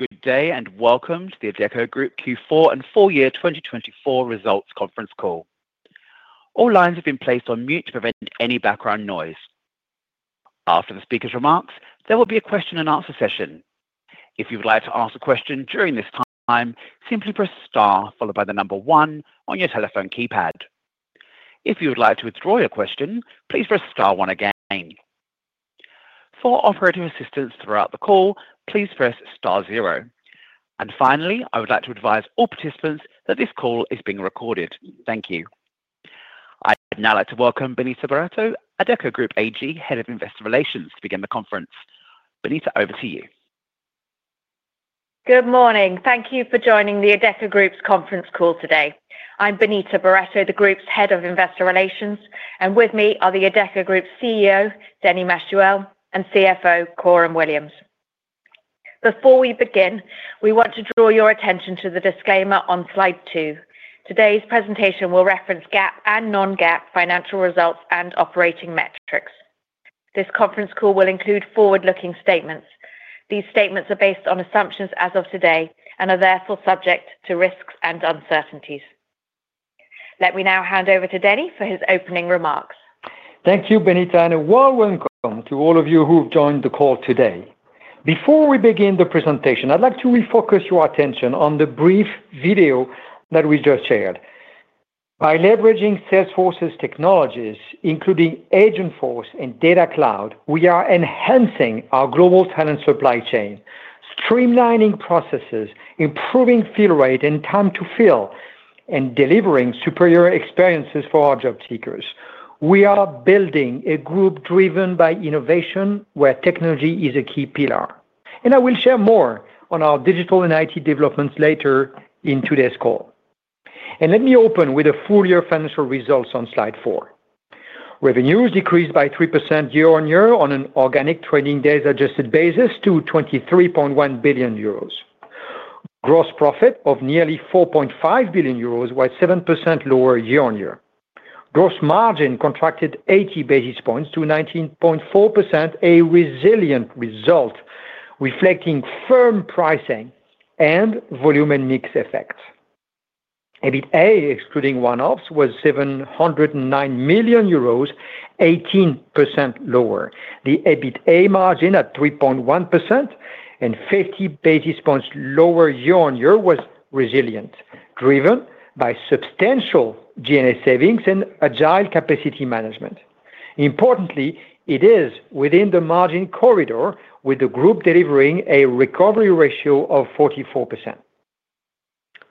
Good day and welcome to the Adecco Group Q4 and Full Year 2024 Results Conference Call. All lines have been placed on mute to prevent any background noise. After the speaker's remarks, there will be a question-and-answer session. If you would like to ask a question during this time, simply press star followed by the number one on your telephone keypad. If you would like to withdraw your question, please press star one again. For operator assistance throughout the call, please press star zero. And finally, I would like to advise all participants that this call is being recorded. Thank you. I'd now like to welcome Benita Barretto, Adecco Group AG, Head of Investor Relations, to begin the conference. Benita, over to you. Good morning. Thank you for joining the Adecco Group's conference call today. I'm Benita Barretto, the Group's Head of Investor Relations, and with me are the Adecco Group CEO, Denis Machuel, and CFO, Coram Williams. Before we begin, we want to draw your attention to the disclaimer on slide two. Today's presentation will reference GAAP and non-GAAP financial results and operating metrics. This conference call will include forward-looking statements. These statements are based on assumptions as of today and are therefore subject to risks and uncertainties. Let me now hand over to Denis for his opening remarks. Thank you, Benita, and a warm welcome to all of you who've joined the call today. Before we begin the presentation, I'd like to refocus your attention on the brief video that we just shared. By leveraging Salesforce's technologies, including Agentforce and Data Cloud, we are enhancing our global talent supply chain, streamlining processes, improving fill rate and time to fill, and delivering superior experiences for our job seekers. We are building a group driven by innovation, where technology is a key pillar. I will share more on our digital and IT developments later in today's call. Let me open with the full-year financial results on slide four. Revenues decreased by 3% year-on-year on an organic trading days adjusted basis to 23.1 billion euros. Gross profit of nearly 4.5 billion euros, was 7% lower year-on-year. Gross margin contracted 80 basis points to 19.4%, a resilient result reflecting firm pricing and volume and mix effects. EBITA, excluding one-offs, was 709 million euros, 18% lower. The EBITA margin at 3.1% and 50 basis points lower year-on-year was resilient, driven by substantial G&A savings and agile capacity management. Importantly, it is within the margin corridor, with the group delivering a recovery ratio of 44%.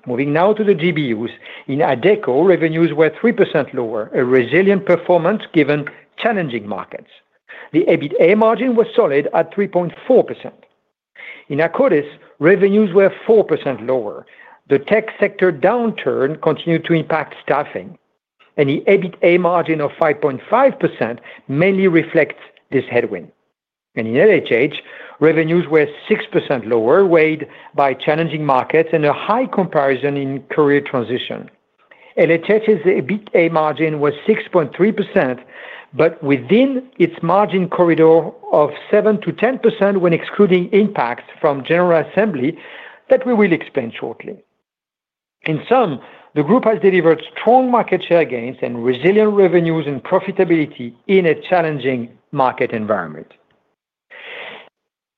Moving now to the GBUs. In Adecco, revenues were 3% lower, a resilient performance given challenging markets. The EBITA margin was solid at 3.4%. In Akkodis, revenues were 4% lower. The tech sector downturn continued to impact staffing, and the EBITA margin of 5.5% mainly reflects this headwind. And in LHH, revenues were 6% lower, weighed by challenging markets and a high comparison in Career Transition. LHH's EBITA margin was 6.3%, but within its margin corridor of 7%-10% when excluding impact from General Assembly that we will explain shortly. In sum, the group has delivered strong market share gains and resilient revenues and profitability in a challenging market environment.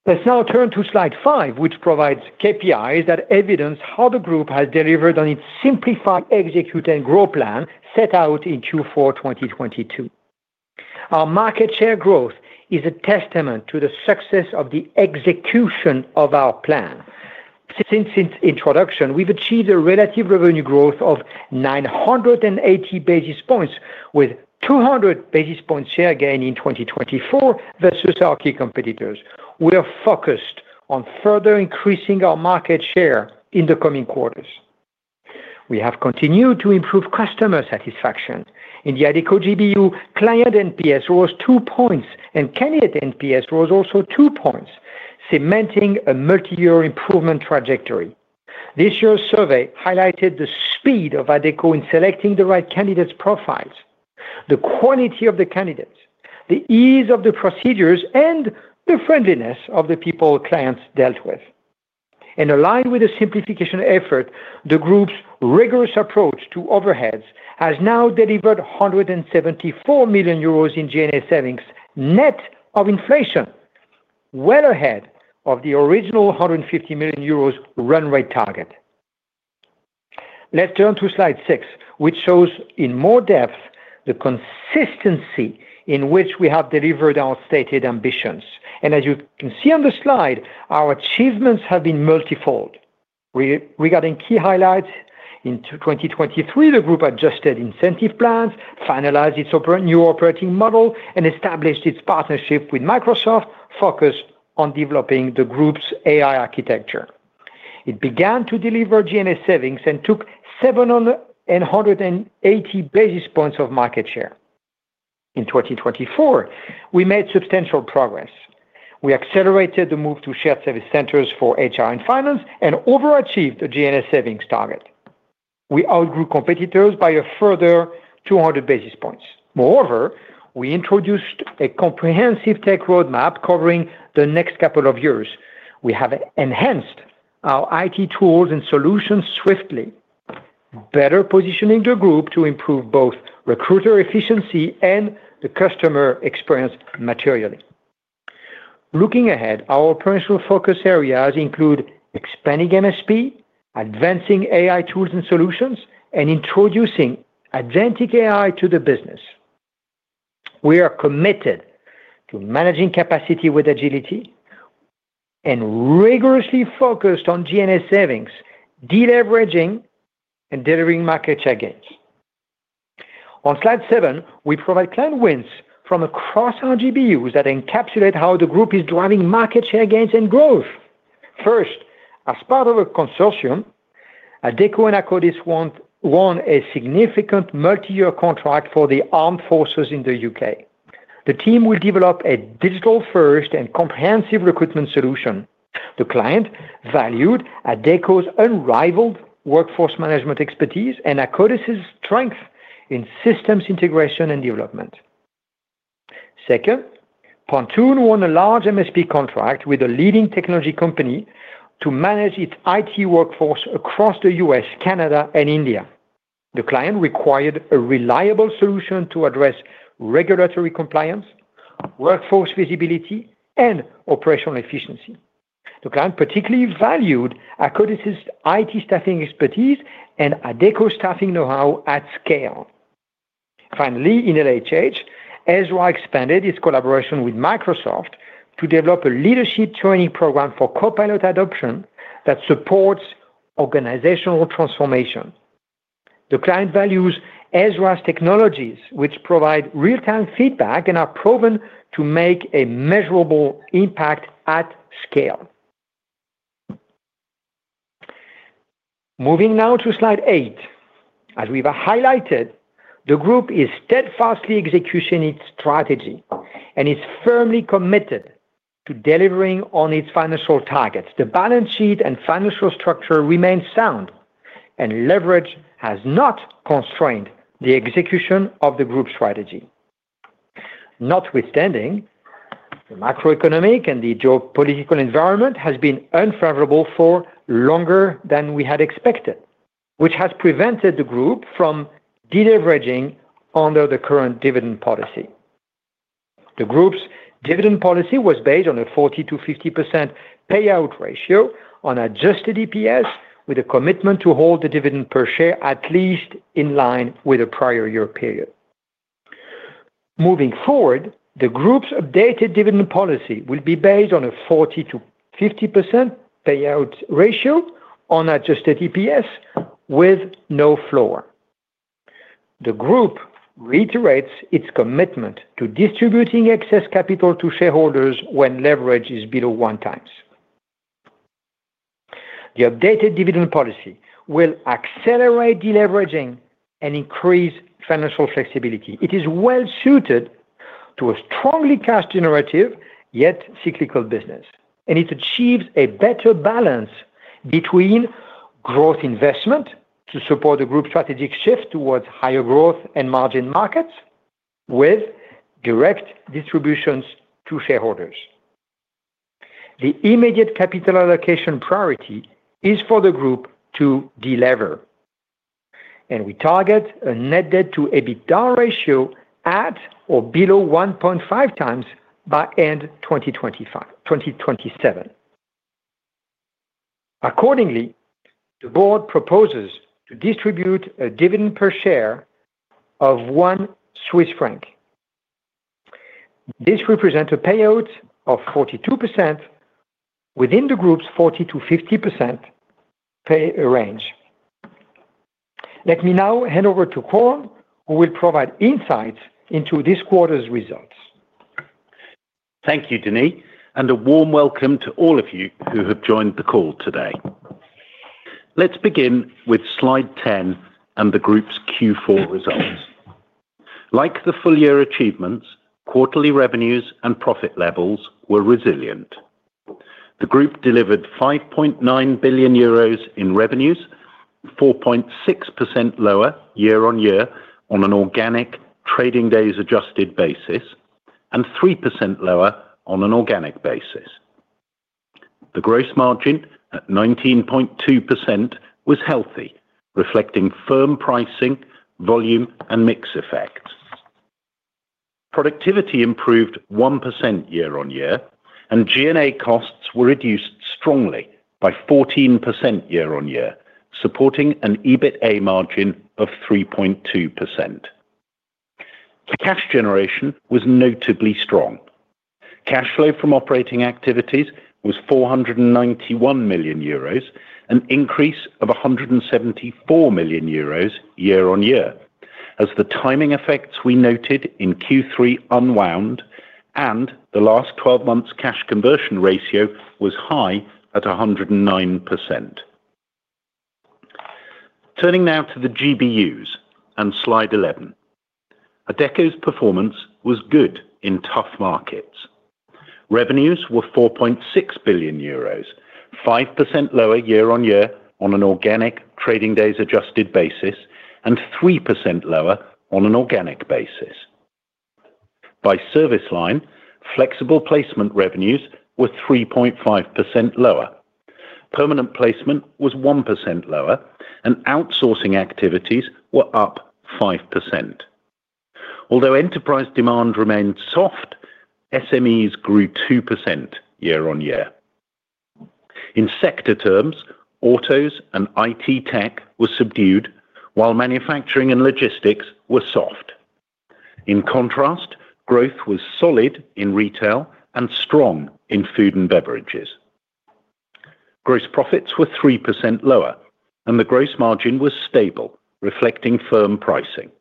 Let's now turn to slide five, which provides KPIs that evidence how the group has delivered on its Simplified, Execute and, Growth Plan set out in Q4 2022. Our market share growth is a testament to the success of the execution of our plan. Since its introduction, we've achieved a relative revenue growth of 980 basis points, with 200 basis points share gain in 2024 versus our key competitors. We are focused on further increasing our market share in the coming quarters. We have continued to improve customer satisfaction. In the Adecco GBU, client NPS rose 2 points, and candidate NPS rose also 2 points, cementing a multi-year improvement trajectory. This year's survey highlighted the speed of Adecco in selecting the right candidates' profiles, the quality of the candidates, the ease of the procedures, and the friendliness of the people clients dealt with. And aligned with the simplification effort, the group's rigorous approach to overheads has now delivered 174 million euros in G&A savings net of inflation, well ahead of the original 150 million euros run rate target. Let's turn to slide six, which shows in more depth the consistency in which we have delivered our stated ambitions. And as you can see on the slide, our achievements have been multifold. Regarding key highlights, in 2023, the group adjusted incentive plans, finalized its new operating model, and established its partnership with Microsoft, focused on developing the group's AI architecture. It began to deliver G&A savings and took 780 basis points of market share. In 2024, we made substantial progress. We accelerated the move to shared service centers for HR and finance and overachieved the G&A savings target. We outgrew competitors by a further 200 basis points. Moreover, we introduced a comprehensive tech roadmap covering the next couple of years. We have enhanced our IT tools and solutions swiftly, better positioning the group to improve both recruiter efficiency and the customer experience materially. Looking ahead, our operational focus areas include expanding MSP, advancing AI tools and solutions, and introducing agentic AI to the business. We are committed to managing capacity with agility and rigorously focused on G&A savings, deleveraging, and delivering market share gains. On slide seven, we provide client wins from across our GBUs that encapsulate how the group is driving market share gains and growth. First, as part of a consortium, Adecco and Akkodis won a significant multi-year contract for the armed forces in the U.K. The team will develop a digital-first and comprehensive recruitment solution. The client valued Adecco's unrivaled workforce management expertise and Akkodis' strength in systems integration and development. Second, Pontoon won a large MSP contract with a leading technology company to manage its IT workforce across the U.S., Canada, and India. The client required a reliable solution to address regulatory compliance, workforce visibility, and operational efficiency. The client particularly valued Akkodis's IT staffing expertise and Adecco's staffing know-how at scale. Finally, in LHH, Ezra expanded its collaboration with Microsoft to develop a leadership training program for Copilot adoption that supports organizational transformation. The client values Ezra's technologies, which provide real-time feedback and are proven to make a measurable impact at scale. Moving now to slide eight. As we've highlighted, the group is steadfastly executing its strategy and is firmly committed to delivering on its financial targets. The balance sheet and financial structure remain sound, and leverage has not constrained the execution of the group strategy. Notwithstanding, the macroeconomic and the geopolitical environment has been unfavorable for longer than we had expected, which has prevented the group from deleveraging under the current dividend policy. The group's dividend policy was based on a 40%-50% payout ratio on Adjusted EPS, with a commitment to hold the dividend per share at least in line with a prior year period. Moving forward, the group's updated dividend policy will be based on a 40%-50% payout ratio on Adjusted EPS with no floor. The group reiterates its commitment to distributing excess capital to shareholders when leverage is below one times. The updated dividend policy will accelerate deleveraging and increase financial flexibility. It is well-suited to a strongly cash-generative yet cyclical business, and it achieves a better balance between growth investment to support the group's strategic shift towards higher growth and margin markets with direct distributions to shareholders. The immediate capital allocation priority is for the group to deliver, and we target a net debt-to-EBITDA ratio at or below 1.5x by end 2027. Accordingly, the Board proposes to distribute a dividend per share of 1 Swiss franc. This represents a payout of 42% within the group's 40%-50% pay range. Let me now hand over to Coram, who will provide insights into this quarter's results. Thank you, Denis, and a warm welcome to all of you who have joined the call today. Let's begin with slide 10 and the group's Q4 results. Like the full-year achievements, quarterly revenues and profit levels were resilient. The group delivered 5.9 billion euros in revenues, 4.6% lower year-on-year on an organic trading days adjusted basis, and 3% lower on an organic basis. The gross margin at 19.2% was healthy, reflecting firm pricing, volume, and mix effects. Productivity improved 1% year-on-year, and G&A costs were reduced strongly by 14% year-on-year, supporting an EBITA margin of 3.2%. Cash generation was notably strong. Cash flow from operating activities was 491 million euros, an increase of 174 million euros year-on-year, as the timing effects we noted in Q3 unwound, and the last 12 months' cash conversion ratio was high at 109%. Turning now to the GBUs and slide 11. Adecco's performance was good in tough markets. Revenues were 4.6 billion euros, 5% lower year-on-year on an organic trading days adjusted basis, and 3% lower on an organic basis. By service line, flexible placement revenues were 3.5% lower. Permanent placement was 1% lower, and outsourcing activities were up 5%. Although enterprise demand remained soft, SMEs grew 2% year-on-year. In sector terms, autos and IT tech were subdued, while manufacturing and logistics were soft. In contrast, growth was solid in retail and strong in food and beverages. Gross profits were 3% lower, and the gross margin was stable, reflecting firm pricing.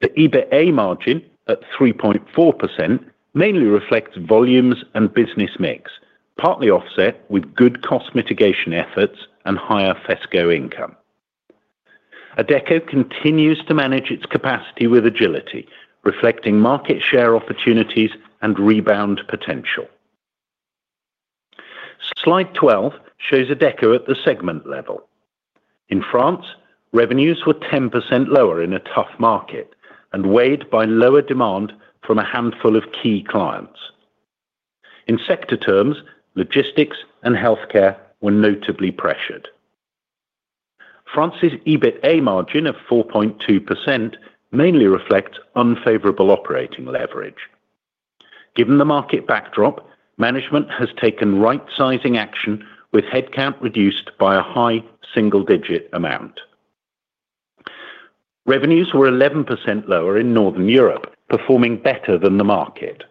The EBITA margin at 3.4% mainly reflects volumes and business mix, partly offset with good cost mitigation efforts and higher FESCO income. Adecco continues to manage its capacity with agility, reflecting market share opportunities and rebound potential. Slide 12 shows Adecco at the segment level. In France, revenues were 10% lower in a tough market and weighed by lower demand from a handful of key clients. In sector terms, logistics and healthcare were notably pressured. France's EBITA margin of 4.2% mainly reflects unfavorable operating leverage. Given the market backdrop, management has taken right-sizing action with headcount reduced by a high single-digit amount. Revenues were 11% lower in Northern Europe, performing better than the market.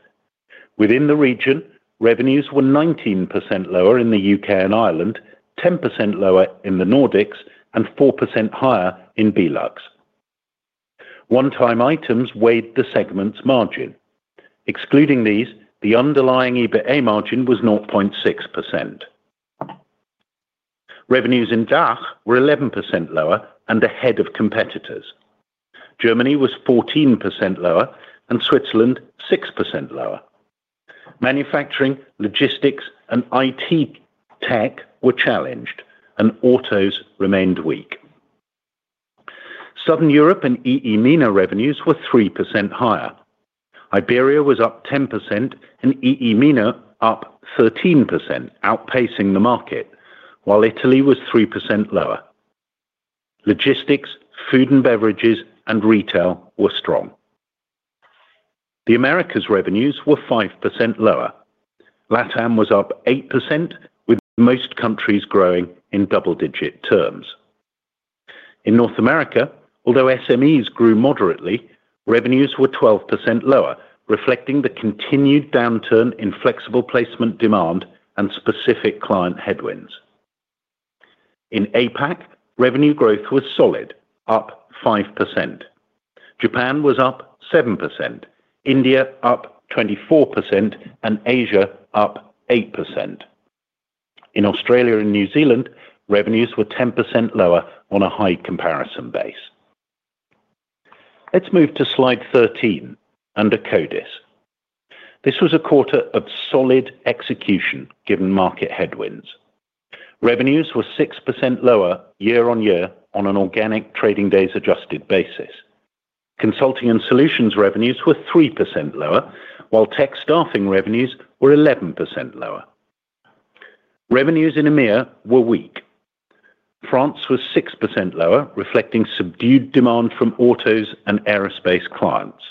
Within the region, revenues were 19% lower in the UK and Ireland, 10% lower in the Nordics, and 4% higher in BELUX. One-time items weighed the segment's margin. Excluding these, the underlying EBITA margin was 0.6%. Revenues in DACH were 11% lower and ahead of competitors. Germany was 14% lower and Switzerland 6% lower. Manufacturing, logistics, and IT tech were challenged, and autos remained weak. Southern Europe and EEMENA revenues were 3% higher. Iberia was up 10% and EEMENA up 13%, outpacing the market, while Italy was 3% lower. Logistics, food and beverages, and retail were strong. The Americas' revenues were 5% lower. LATAM was up 8%, with most countries growing in double-digit terms. In North America, although SMEs grew moderately, revenues were 12% lower, reflecting the continued downturn in flexible placement demand and specific client headwinds. In APAC, revenue growth was solid, up 5%. Japan was up 7%, India up 24%, and Asia up 8%. In Australia and New Zealand, revenues were 10% lower on a high comparison base. Let's move to slide 13 under Akkodis. This was a quarter of solid execution given market headwinds. Revenues were 6% lower year-on-year on an organic trading days adjusted basis. Consulting & Solutions revenues were 3% lower, while tech staffing revenues were 11% lower. Revenues in EMEA were weak. France was 6% lower, reflecting subdued demand from autos and aerospace clients.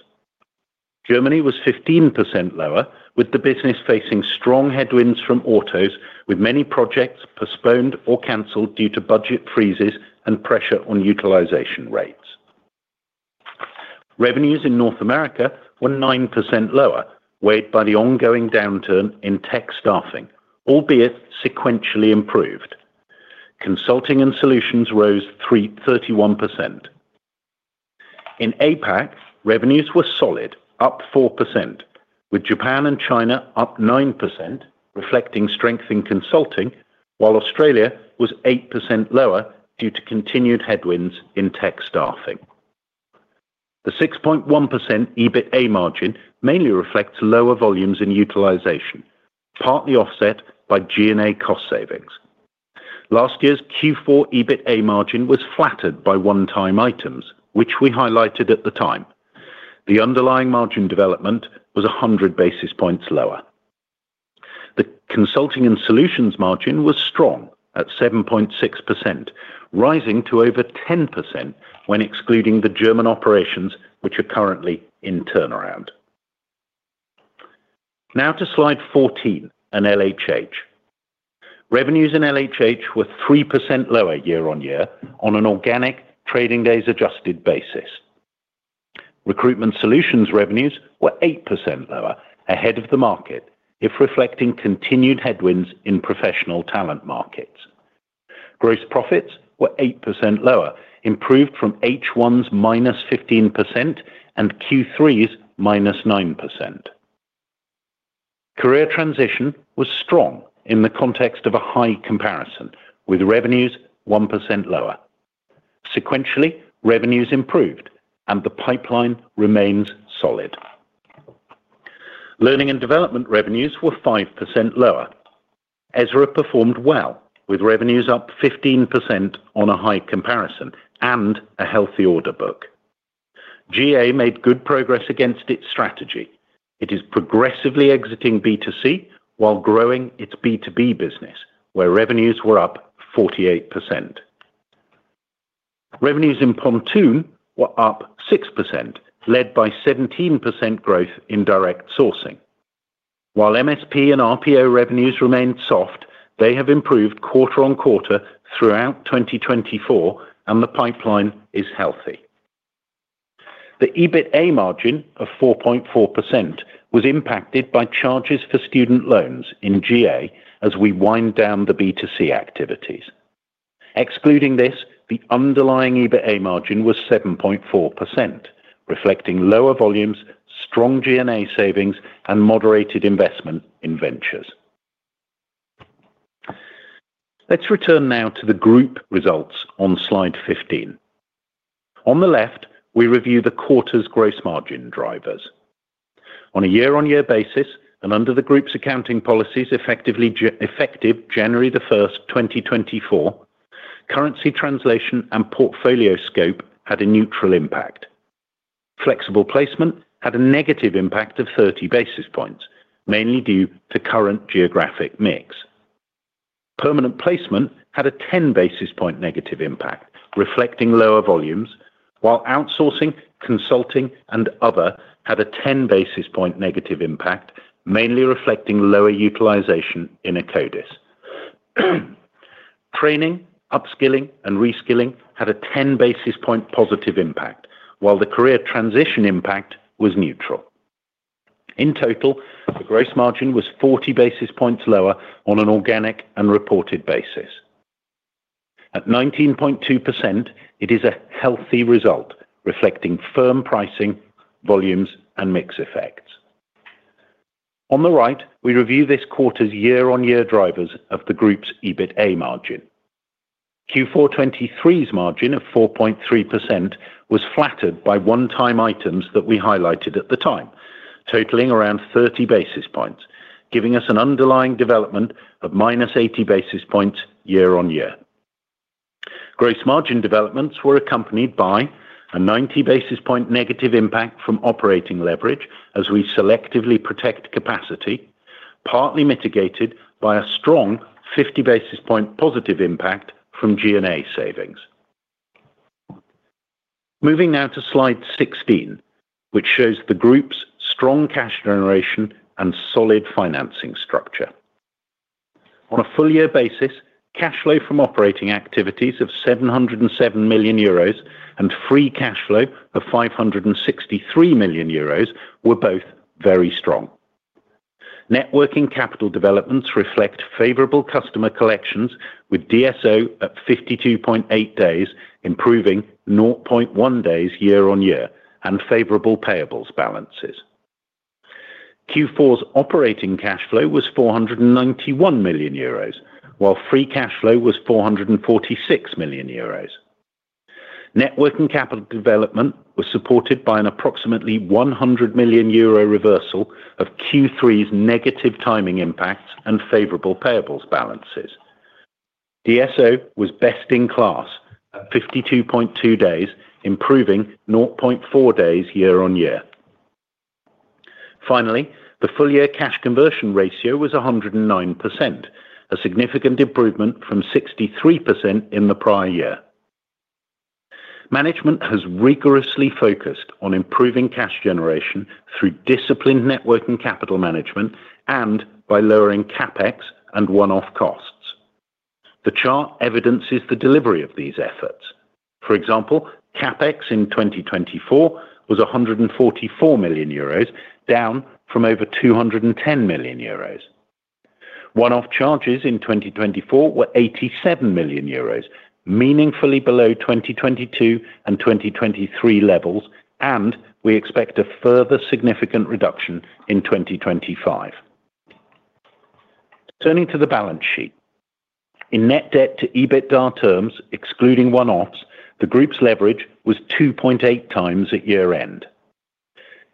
Germany was 15% lower, with the business facing strong headwinds from autos, with many projects postponed or canceled due to budget freezes and pressure on utilization rates. Revenues in North America were 9% lower, weighed by the ongoing downturn in tech staffing, albeit sequentially improved. Consulting & Solutions rose 31%. In APAC, revenues were solid, up 4%, with Japan and China up 9%, reflecting strength in consulting, while Australia was 8% lower due to continued headwinds in tech staffing. The 6.1% EBITA margin mainly reflects lower volumes and utilization, partly offset by G&A cost savings. Last year's Q4 EBITA margin was flattered by one-time items, which we highlighted at the time. The underlying margin development was 100 basis points lower. The Consulting & Solutions margin was strong at 7.6%, rising to over 10% when excluding the German operations, which are currently in turnaround. Now to slide 14 and LHH. Revenues in LHH were 3% lower year-on-year on an organic trading days adjusted basis. Recruitment solutions revenues were 8% lower, ahead of the market, yet reflecting continued headwinds in professional talent markets. Gross profits were 8% lower, improved from H1's -15% and Q3's -9%. Career Transition was strong in the context of a high comparison, with revenues 1% lower. Sequentially, revenues improved, and the pipeline remains solid. Learning & Development revenues were 5% lower. Ezra performed well, with revenues up 15% on a high comparison and a healthy order book. GA made good progress against its strategy. It is progressively exiting B2C while growing its B2B business, where revenues were up 48%. Revenues in Pontoon were up 6%, led by 17% growth in direct sourcing. While MSP and RPO revenues remained soft, they have improved quarter on quarter throughout 2024, and the pipeline is healthy. The EBITA margin of 4.4% was impacted by charges for student loans in GA as we wind down the B2C activities. Excluding this, the underlying EBITA margin was 7.4%, reflecting lower volumes, strong G&A savings, and moderated investment in ventures. Let's return now to the group results on slide 15. On the left, we review the quarter's gross margin drivers. On a year-on-year basis and under the group's accounting policies effective January 1st, 2024, currency translation and portfolio scope had a neutral impact. Flexible placement had a negative impact of 30 basis points, mainly due to current geographic mix. Permanent placement had a 10 basis points negative impact, reflecting lower volumes, while outsourcing, consulting, and other had a 10 basis points negative impact, mainly reflecting lower utilization in Akkodis. Training, upskilling, and reskilling had a 10 basis points positive impact, while the Career Transition impact was neutral. In total, the gross margin was 40 basis points lower on an organic and reported basis. At 19.2%, it is a healthy result, reflecting firm pricing, volumes, and mix effects. On the right, we review this quarter's year-on-year drivers of the group's EBITA margin. Q4 2023's margin of 4.3% was flattered by one-time items that we highlighted at the time, totaling around 30 basis points, giving us an underlying development of minus 80 basis points year-on-year. Gross margin developments were accompanied by a 90 basis point negative impact from operating leverage as we selectively protect capacity, partly mitigated by a strong 50 basis point positive impact from G&A savings. Moving now to slide 16, which shows the group's strong cash generation and solid financing structure. On a full-year basis, cash flow from operating activities of 707 million euros and free cash flow of 563 million euros were both very strong. Net working capital developments reflect favorable customer collections with DSO at 52.8 days, improving 0.1 days year-on-year and favorable payables balances. Q4's operating cash flow was 491 million euros, while free cash flow was 446 million euros. Net working capital development was supported by an approximately 100 million euro reversal of Q3's negative timing impacts and favorable payables balances. DSO was best in class at 52.2 days, improving 0.4 days year-on-year. Finally, the full-year cash conversion ratio was 109%, a significant improvement from 63% in the prior year. Management has rigorously focused on improving cash generation through disciplined working capital management and by lowering CapEx and one-off costs. The chart evidences the delivery of these efforts. For example, CapEx in 2024 was 144 million euros, down from over 210 million euros. One-off charges in 2024 were 87 million euros, meaningfully below 2022 and 2023 levels, and we expect a further significant reduction in 2025. Turning to the balance sheet. In net debt-to-EBITDA terms, excluding one-offs, the group's leverage was 2.8 times at year-end.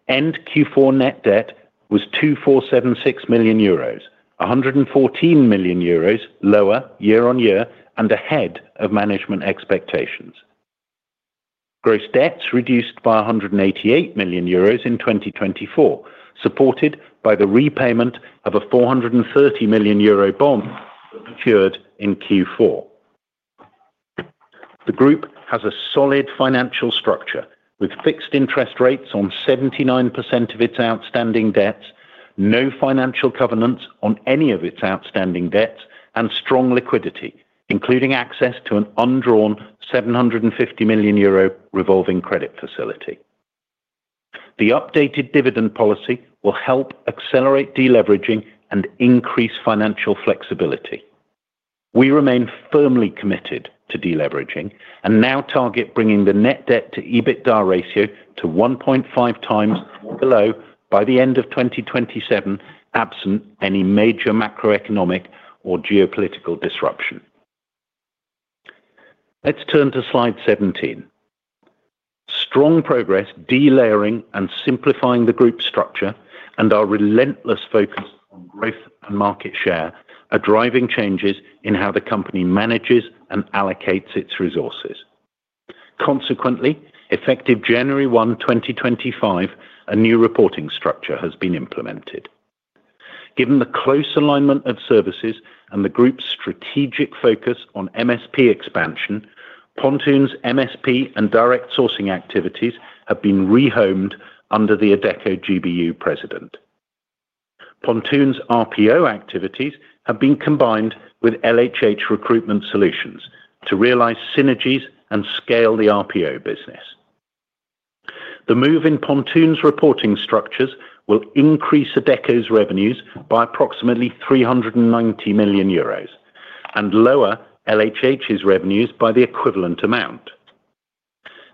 End Q4 net debt was 2476 million euros, 114 million euros lower year-on-year and ahead of management expectations. Gross debts reduced by 188 million euros in 2024, supported by the repayment of a 430 million euro bond that matured in Q4. The group has a solid financial structure with fixed interest rates on 79% of its outstanding debts, no financial covenants on any of its outstanding debts, and strong liquidity, including access to an undrawn 750 million euro revolving credit facility. The updated dividend policy will help accelerate deleveraging and increase financial flexibility. We remain firmly committed to deleveraging and now target bringing the net debt to EBITDA ratio to 1.5x or below by the end of 2027, absent any major macroeconomic or geopolitical disruption. Let's turn to slide 17. Strong progress, delayering and simplifying the group structure, and our relentless focus on growth and market share are driving changes in how the company manages and allocates its resources. Consequently, effective January 1, 2025, a new reporting structure has been implemented. Given the close alignment of services and the group's strategic focus on MSP expansion, Pontoon's MSP and direct sourcing activities have been rehomed under the Adecco GBU president. Pontoon's RPO activities have been combined with LHH Recruitment Solutions to realize synergies and scale the RPO business. The move in Pontoon's reporting structures will increase Adecco's revenues by approximately 390 million euros and lower LHH's revenues by the equivalent amount.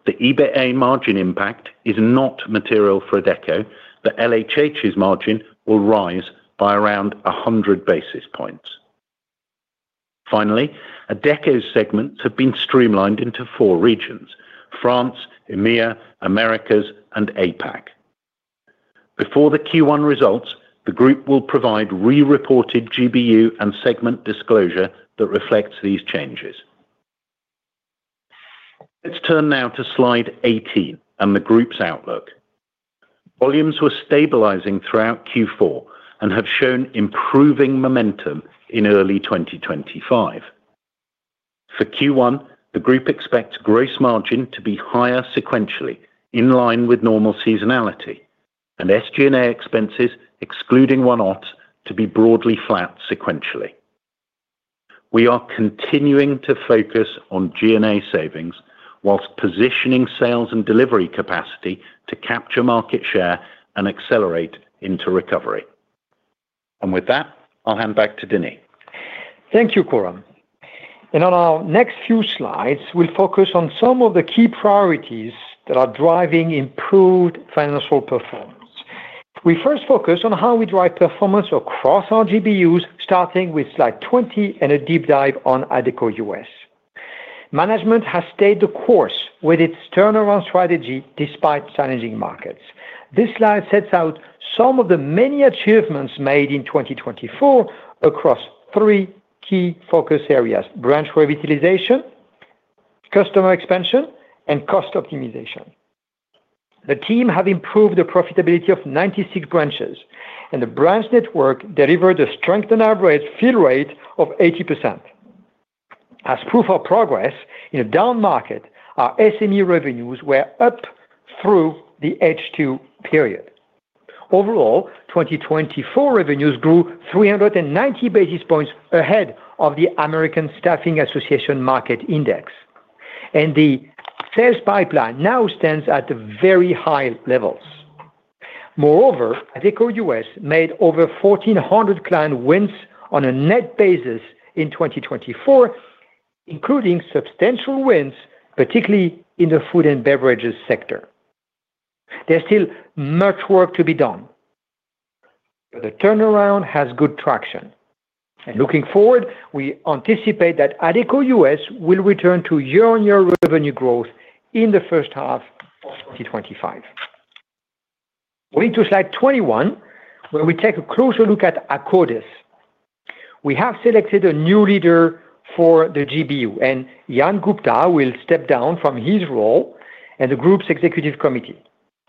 The EBITA margin impact is not material for Adecco, but LHH's margin will rise by around 100 basis points. Finally, Adecco's segments have been streamlined into four regions: France, EMEA, Americas, and APAC. Before the Q1 results, the group will provide re-reported GBU and segment disclosure that reflects these changes. Let's turn now to slide 18 and the group's outlook. Volumes were stabilizing throughout Q4 and have shown improving momentum in early 2025. For Q1, the group expects gross margin to be higher sequentially, in line with normal seasonality, and SG&A expenses, excluding one-offs, to be broadly flat sequentially. We are continuing to focus on G&A savings while positioning sales and delivery capacity to capture market share and accelerate into recovery. With that, I'll hand back to Denis. Thank you, Coram. In our next few slides, we'll focus on some of the key priorities that are driving improved financial performance. We first focus on how we drive performance across our GBUs, starting with slide 20 and a deep dive on Adecco U.S. Management has stayed the course with its turnaround strategy despite challenging markets. This slide sets out some of the many achievements made in 2024 across three key focus areas: branch revitalization, customer expansion, and cost optimization. The team have improved the profitability of 96 branches, and the branch network delivered a strengthened average fill rate of 80%. As proof of progress, in a down market, our SME revenues were up through the H2 period. Overall, 2024 revenues grew 390 basis points ahead of the American Staffing Association Market Index, and the sales pipeline now stands at very high levels. Moreover, Adecco US made over 1,400 client wins on a net basis in 2024, including substantial wins, particularly in the food and beverages sector. There's still much work to be done, but the turnaround has good traction. Looking forward, we anticipate that Adecco U.S. will return to year-on-year revenue growth in the first half of 2025. Moving to slide 21, where we take a closer look at Akkodis. We have selected a new leader for the GBU, and Jan Gupta will step down from his role and the group's Executive Committee.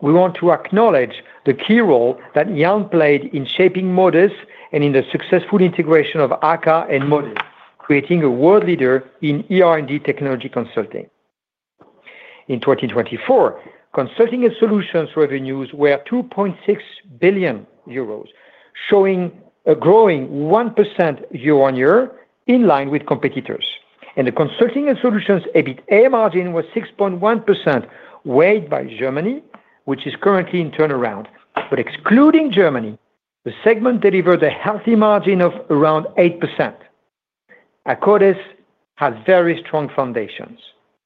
We want to acknowledge the key role that Jan played in shaping Modis and in the successful integration of AKKA and Modis, creating a world leader in ER&D technology consulting. In 2024, Consulting & Solutions revenues were 2.6 billion euros, showing a growing 1% year-on-year in line with competitors, and the Consulting & Solutions EBITA margin was 6.1%, weighed by Germany, which is currently in turnaround, but excluding Germany, the segment delivered a healthy margin of around 8%. Akkodis has very strong foundations,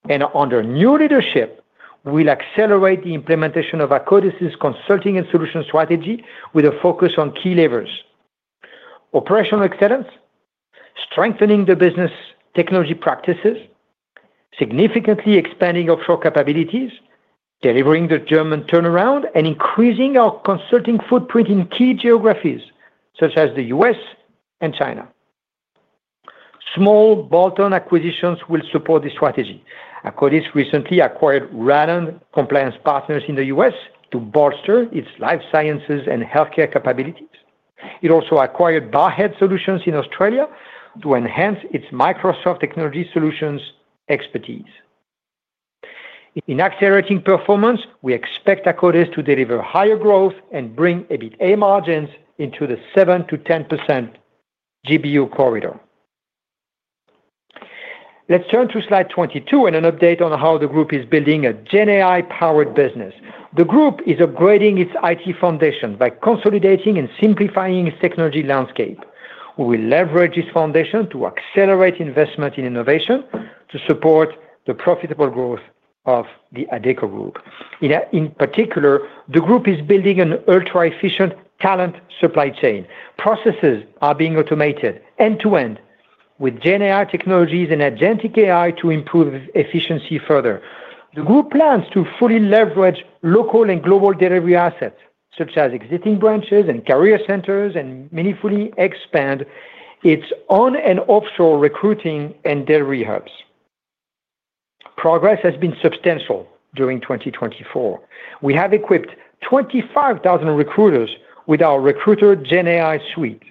and under new leadership, we'll accelerate the implementation of Akkodis' consulting and solution strategy with a focus on key levers, operational excellence, strengthening the business technology practices, significantly expanding offshore capabilities, delivering the German turnaround, and increasing our consulting footprint in key geographies such as the U.S. and China. Small bolt-on acquisitions will support the strategy. Akkodis recently acquired Raland Compliance Partners in the U.S. to bolster its life sciences and healthcare capabilities. It also acquired Barhead Solutions in Australia to enhance its Microsoft technology solutions expertise. In accelerating performance, we expect Akkodis to deliver higher growth and bring EBITA margins into the 7%-10% GBU corridor. Let's turn to slide 22 and an update on how the group is building a GenAI-powered business. The group is upgrading its IT foundation by consolidating and simplifying its technology landscape. We will leverage this foundation to accelerate investment in innovation to support the profitable growth of the Adecco Group. In particular, the group is building an ultra-efficient talent supply chain. Processes are being automated end-to-end with GenAI technologies and agentic AI to improve efficiency further. The group plans to fully leverage local and global delivery assets, such as existing branches and career centers, and meaningfully expand its on- and offshore recruiting and delivery hubs. Progress has been substantial during 2024. We have equipped 25,000 recruiters with our Recruiter GenAI suite.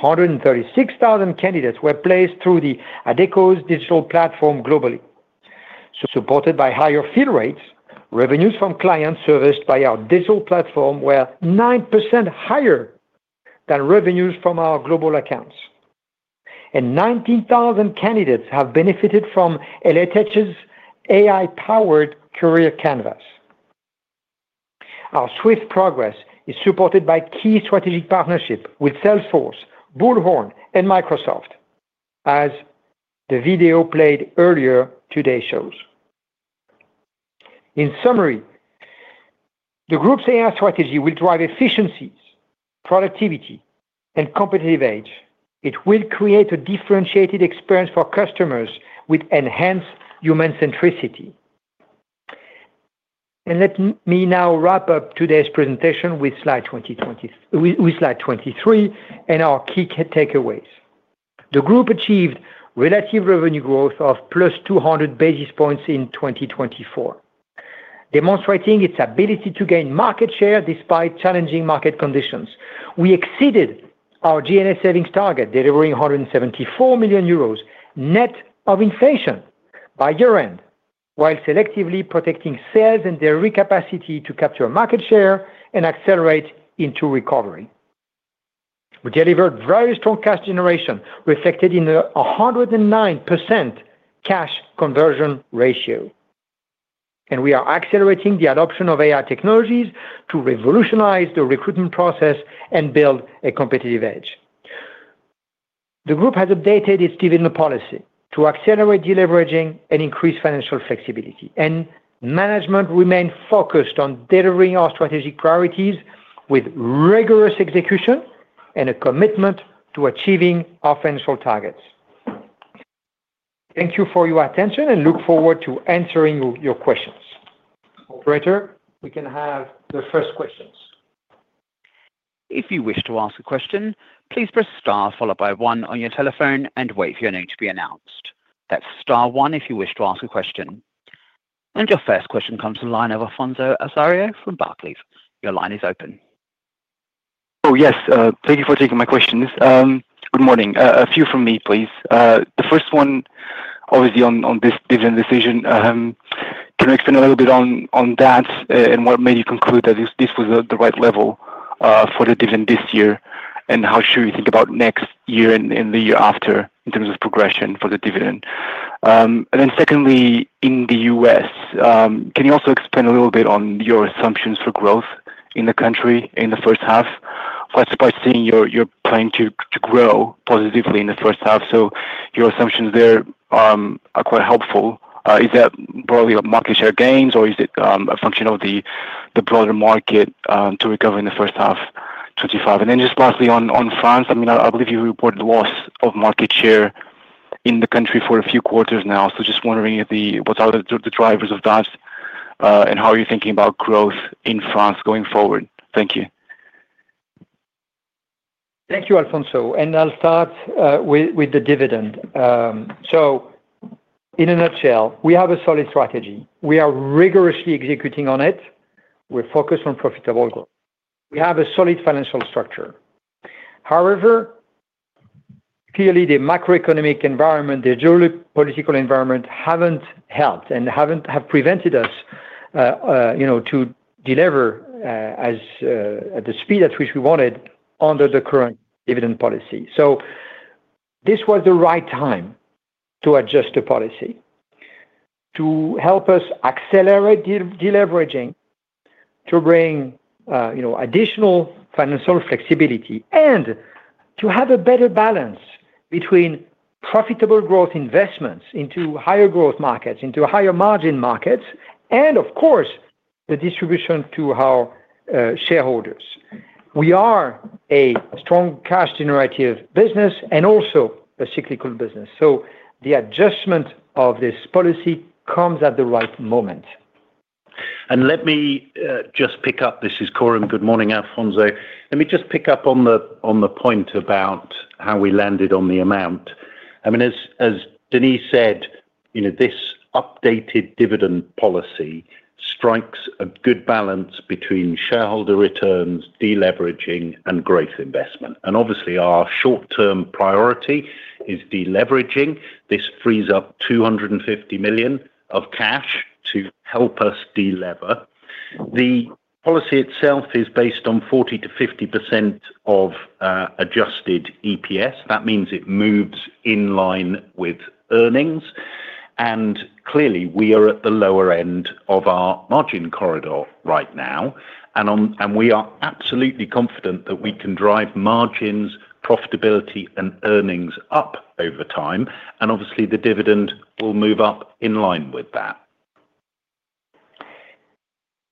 136,000 candidates were placed through the Adecco's digital platform globally. Supported by higher fill rates, revenues from clients serviced by our digital platform were 9% higher than revenues from our global accounts, and 19,000 candidates have benefited from LHH's AI-powered Career Canvas. Our swift progress is supported by key strategic partnerships with Salesforce, Bullhorn, and Microsoft, as the video played earlier today shows. In summary, the group's AI strategy will drive efficiencies, productivity, and competitive edge. It will create a differentiated experience for customers with enhanced human centricity. And let me now wrap up today's presentation with slide 23 and our key takeaways. The group achieved relative revenue growth of plus 200 basis points in 2024, demonstrating its ability to gain market share despite challenging market conditions. We exceeded our G&A savings target, delivering 174 million euros net of inflation by year-end, while selectively protecting sales and their recapacity to capture market share and accelerate into recovery. We delivered very strong cash generation, reflected in a 109% cash conversion ratio. And we are accelerating the adoption of AI technologies to revolutionize the recruitment process and build a competitive edge. The group has updated its dividend policy to accelerate deleveraging and increase financial flexibility, and management remained focused on delivering our strategic priorities with rigorous execution and a commitment to achieving our financial targets. Thank you for your attention, and look forward to answering your questions. Operator, we can have the first questions. If you wish to ask a question, please press star followed by one on your telephone and wait for your name to be announced. That's star one if you wish to ask a question. Your first question comes from Afonso Osorio from Barclays. Your line is open. Oh, yes. Thank you for taking my questions. Good morning. A few from me, please. The first one, obviously, on this dividend decision, can you explain a little bit on that and what made you conclude that this was the right level for the dividend this year and how should we think about next year and the year after in terms of progression for the dividend? And then secondly, in the U.S., can you also explain a little bit on your assumptions for growth in the country in the first half? I suppose, seeing you're planning to grow positively in the first half, so your assumptions there are quite helpful. Is that broadly market share gains, or is it a function of the broader market to recover in the first half? And then just lastly, on France, I mean, I believe you reported loss of market share in the country for a few quarters now. So just wondering what are the drivers of that and how are you thinking about growth in France going forward? Thank you. Thank you, Afonso. And I'll start with the dividend. So in a nutshell, we have a solid strategy. We are rigorously executing on it. We're focused on profitable growth. We have a solid financial structure. However, clearly, the macroeconomic environment, the geopolitical environment, haven't helped and have prevented us to deliver at the speed at which we wanted under the current dividend policy. So this was the right time to adjust the policy to help us accelerate deleveraging, to bring additional financial flexibility, and to have a better balance between profitable growth investments into higher growth markets, into higher margin markets, and of course, the distribution to our shareholders. We are a strong cash-generative business and also a cyclical business. The adjustment of this policy comes at the right moment. Let me just pick up. This is Coram. Good morning, Afonso. Let me just pick up on the point about how we landed on the amount. I mean, as Denis said, this updated dividend policy strikes a good balance between shareholder returns, deleveraging, and growth investment. Our short-term priority is deleveraging. This frees up 250 million of cash to help us deliver. The policy itself is based on 40%-50% of Adjusted EPS. That means it moves in line with earnings. Clearly, we are at the lower end of our margin corridor right now. We are absolutely confident that we can drive margins, profitability, and earnings up over time. Obviously, the dividend will move up in line with that.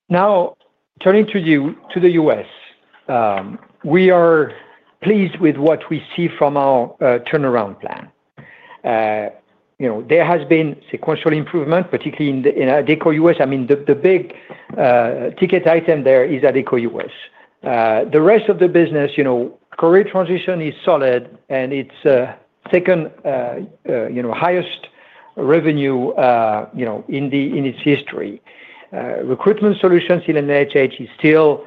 Now, turning to the US, we are pleased with what we see from our turnaround plan. There has been sequential improvement, particularly in Adecco US. I mean, the big ticket item there is Adecco US. The rest of the business, Career Transition is solid, and it's second highest revenue in its history. Recruitment solutions in LHH is still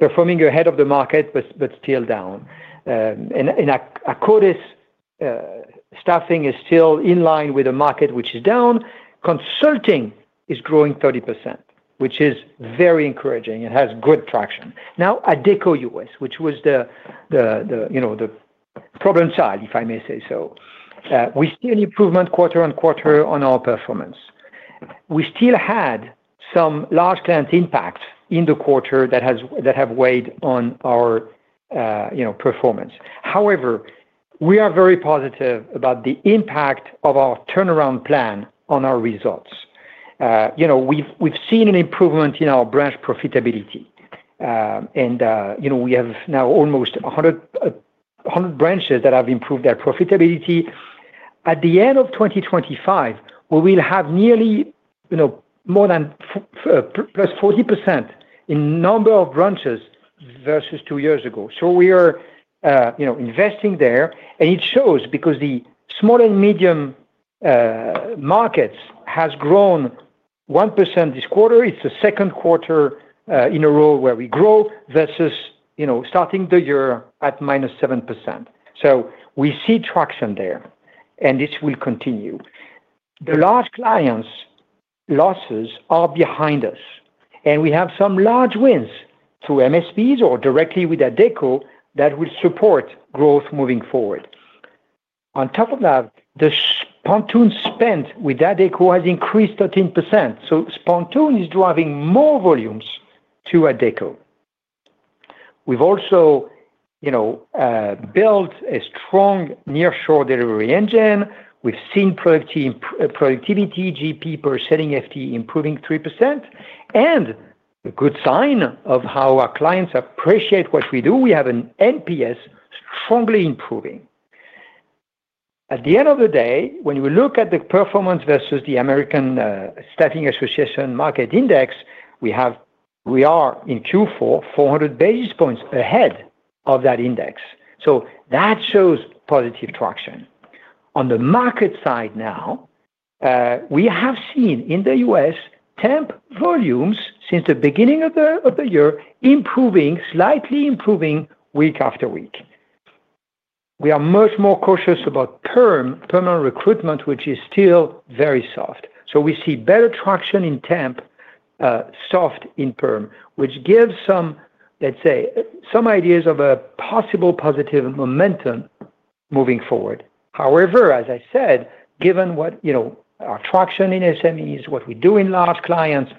performing ahead of the market, but still down. And Akkodis staffing is still in line with the market, which is down. Consulting is growing 30%, which is very encouraging and has good traction. Now, Adecco US, which was the problem side, if I may say so, we see an improvement quarter on quarter on our performance. We still had some large client impact in the quarter that have weighed on our performance. However, we are very positive about the impact of our turnaround plan on our results. We've seen an improvement in our branch profitability. And we have now almost 100 branches that have improved their profitability. At the end of 2025, we will have nearly more than plus 40% in number of branches versus two years ago. So we are investing there. And it shows because the small and medium markets have grown 1% this quarter. It's the second quarter in a row where we grow versus starting the year at minus 7%. So we see traction there, and this will continue. The large clients' losses are behind us. And we have some large wins through MSPs or directly with Adecco that will support growth moving forward. On top of that, the spontaneous spend with Adecco has increased 13%. So spontaneous is driving more volumes to Adecco. We've also built a strong nearshore delivery engine. We've seen productivity, GP per selling FT improving 3%. A good sign of how our clients appreciate what we do, we have an NPS strongly improving. At the end of the day, when we look at the performance versus the American Staffing Association Market Index, we are in Q4, 400 basis points ahead of that index. So that shows positive traction. On the market side now, we have seen in the U.S. temp volumes since the beginning of the year improving, slightly improving week after week. We are much more cautious about permanent recruitment, which is still very soft. So we see better traction in temp, soft in perm, which gives some, let's say, ideas of a possible positive momentum moving forward. However, as I said, given our traction in SMEs, what we do in large clients,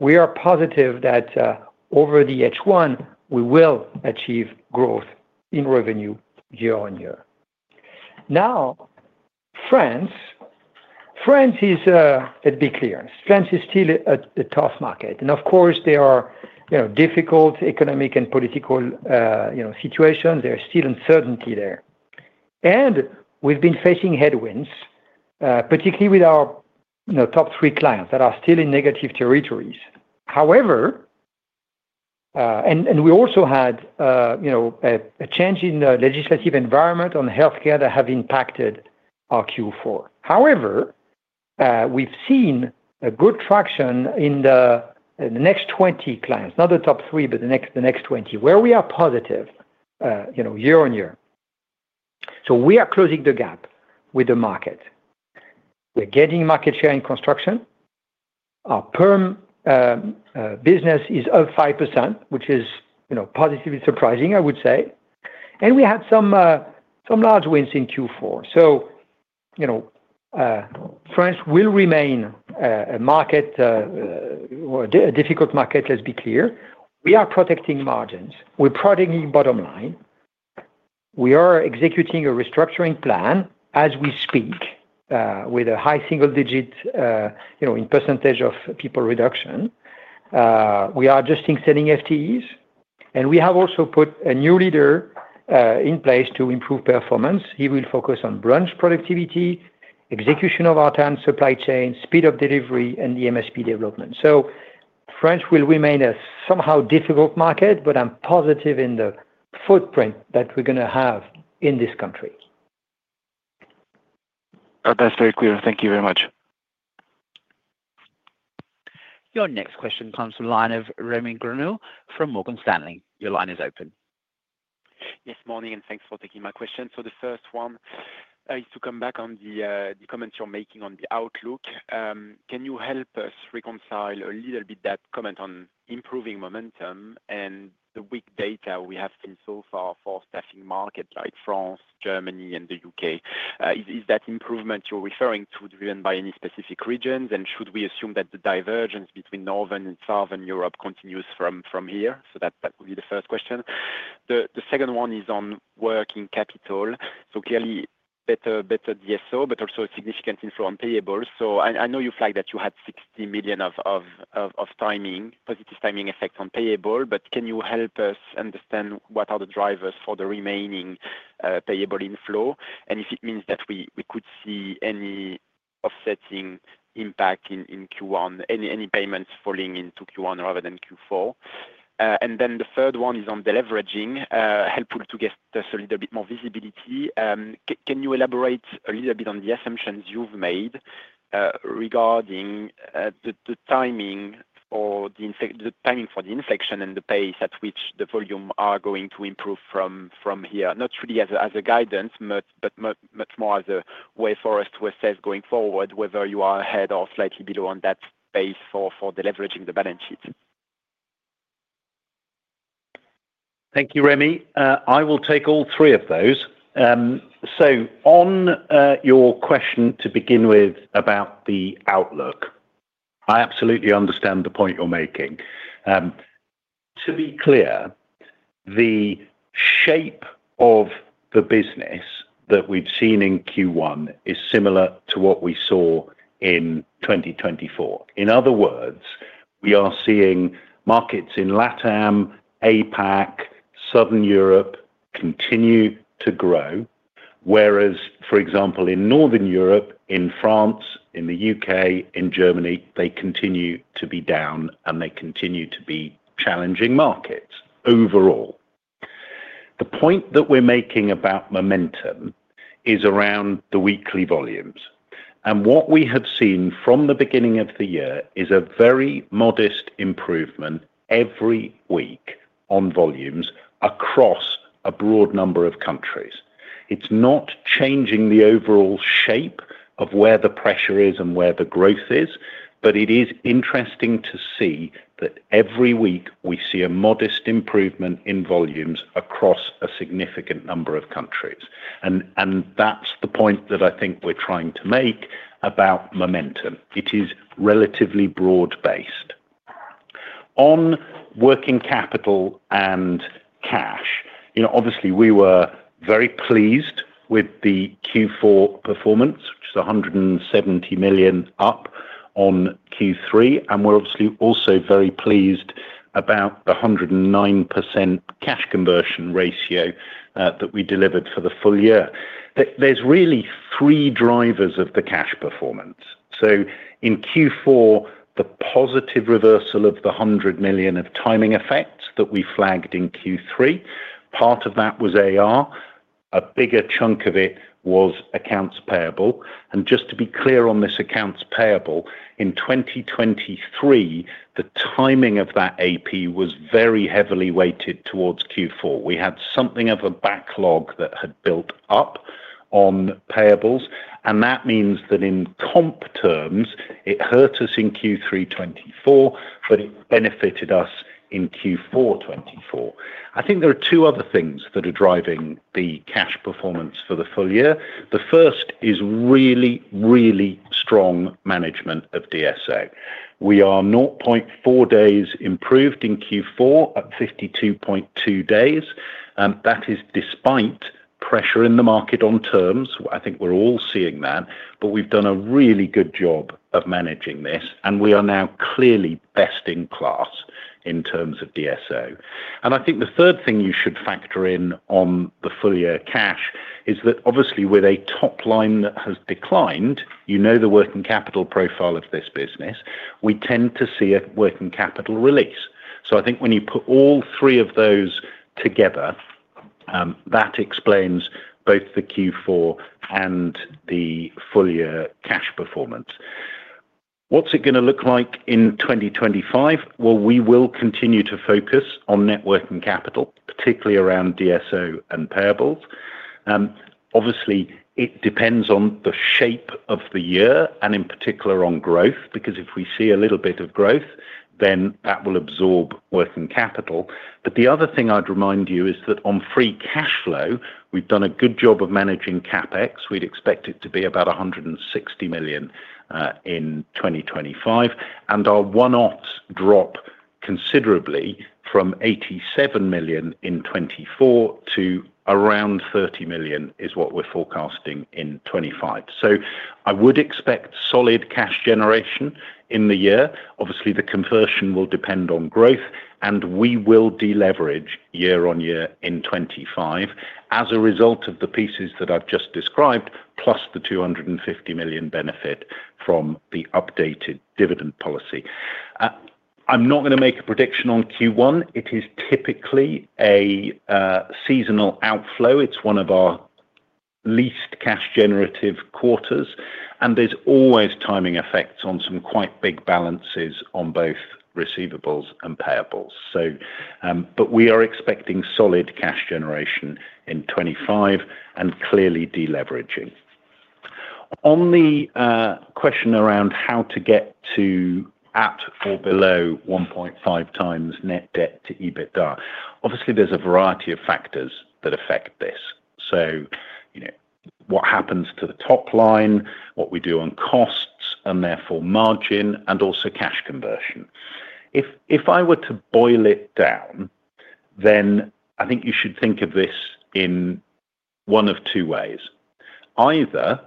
we are positive that over the H1, we will achieve growth in revenue year-on-year. Now, France. France is, let's be clear, France is still a tough market and of course, there are difficult economic and political situations. There is still uncertainty there and we've been facing headwinds, particularly with our top three clients that are still in negative territories. However, and we also had a change in the legislative environment on healthcare that has impacted our Q4. However, we've seen a good traction in the next 20 clients, not the top three, but the next 20, where we are positive year-on-year so we are closing the gap with the market. We're getting market share in construction. Our perm business is up 5%, which is positively surprising, I would say and we had some large wins in Q4 so France will remain a difficult market, let's be clear. We are protecting margins. We're protecting bottom line. We are executing a restructuring plan as we speak with a high single-digit % of people reduction. We are adjusting selling FTEs. And we have also put a new leader in place to improve performance. He will focus on branch productivity, execution of our temporary supply chain, speed of delivery, and the MSP development. So France will remain a somewhat difficult market, but I'm positive in the footprint that we're going to have in this country. That's very clear. Thank you very much. Your next question comes from Remi Grenu from Morgan Stanley. Your line is open. Yes, morning, and thanks for taking my question. So the first one is to come back on the comments you're making on the outlook. Can you help us reconcile a little bit that comment on improving momentum and the weak data we have seen so far for staffing markets like France, Germany, and the UK? Is that improvement you're referring to driven by any specific regions? And should we assume that the divergence between Northern and Southern Europe continues from here? So that would be the first question. The second one is on working capital. So clearly, better DSO, but also significant influence on payables. So I know you flagged that you had 60 million of positive timing effect on payable, but can you help us understand what are the drivers for the remaining payable inflow? And if it means that we could see any offsetting impact in Q1, any payments falling into Q1 rather than Q4. And then the third one is on deleveraging, helpful to get us a little bit more visibility. Can you elaborate a little bit on the assumptions you've made regarding the timing for the inflation and the pace at which the volume are going to improve from here? Not really as a guidance, but much more as a way for us to assess going forward whether you are ahead or slightly below on that pace for deleveraging the balance sheet. Thank you, Remi. I will take all three of those. So on your question to begin with about the outlook, I absolutely understand the point you're making. To be clear, the shape of the business that we've seen in Q1 is similar to what we saw in 2024. In other words, we are seeing markets in LATAM, APAC, Southern Europe continue to grow, whereas, for example, in Northern Europe, in France, in the U.K., in Germany, they continue to be down, and they continue to be challenging markets overall. The point that we're making about momentum is around the weekly volumes. And what we have seen from the beginning of the year is a very modest improvement every week on volumes across a broad number of countries. It's not changing the overall shape of where the pressure is and where the growth is, but it is interesting to see that every week we see a modest improvement in volumes across a significant number of countries. And that's the point that I think we're trying to make about momentum. It is relatively broad-based. On working capital and cash, obviously, we were very pleased with the Q4 performance, which is 170 million up on Q3. We're obviously also very pleased about the 109% cash conversion ratio that we delivered for the full year. There's really three drivers of the cash performance. In Q4, the positive reversal of the 100 million of timing effects that we flagged in Q3. Part of that was AR. A bigger chunk of it was accounts payable. Just to be clear on this accounts payable, in 2023, the timing of that AP was very heavily weighted towards Q4. We had something of a backlog that had built up on payables. That means that in comp terms, it hurt us in Q3 2024, but it benefited us in Q4 2024. I think there are two other things that are driving the cash performance for the full year. The first is really, really strong management of DSO. We are 0.4 days improved in Q4 at 52.2 days. That is despite pressure in the market on terms. I think we're all seeing that. But we've done a really good job of managing this, and we are now clearly best in class in terms of DSO, and I think the third thing you should factor in on the full year cash is that obviously, with a top line that has declined, you know the working capital profile of this business, we tend to see a working capital release. So I think when you put all three of those together, that explains both the Q4 and the full year cash performance. What's it going to look like in 2025? Well, we will continue to focus on working capital, particularly around DSO and payables. Obviously, it depends on the shape of the year and in particular on growth, because if we see a little bit of growth, then that will absorb working capital. But the other thing I'd remind you is that on free cash flow, we've done a good job of managing CapEx. We'd expect it to be about 160 million in 2025. And our one-offs drop considerably from 87 million in 2024 to around 30 million is what we're forecasting in 2025. So I would expect solid cash generation in the year. Obviously, the conversion will depend on growth, and we will deleverage year-on-year in 2025 as a result of the pieces that I've just described, plus the 250 million benefit from the updated dividend policy. I'm not going to make a prediction on Q1. It is typically a seasonal outflow. It's one of our least cash-generative quarters. There's always timing effects on some quite big balances on both receivables and payables. We are expecting solid cash generation in 2025 and clearly deleveraging. On the question around how to get to at or below 1.5x net debt-to-EBITDA, obviously, there's a variety of factors that affect this. What happens to the top line, what we do on costs, and therefore margin, and also cash conversion. If I were to boil it down, then I think you should think of this in one of two ways. Either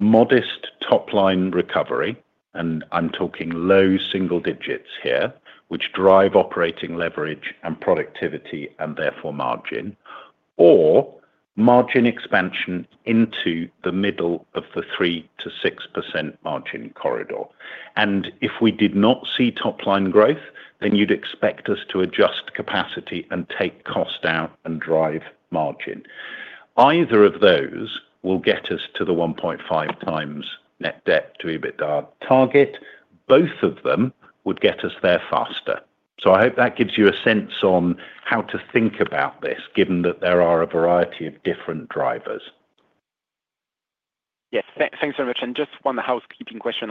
modest top line recovery, and I'm talking low single digits here, which drive operating leverage and productivity and therefore margin, or margin expansion into the middle of the 3%-6% margin corridor. If we did not see top line growth, then you'd expect us to adjust capacity and take cost out and drive margin. Either of those will get us to the 1.5x net debt-to-EBITDA target. Both of them would get us there faster. So I hope that gives you a sense on how to think about this, given that there are a variety of different drivers. Yes. Thanks very much. And just one housekeeping question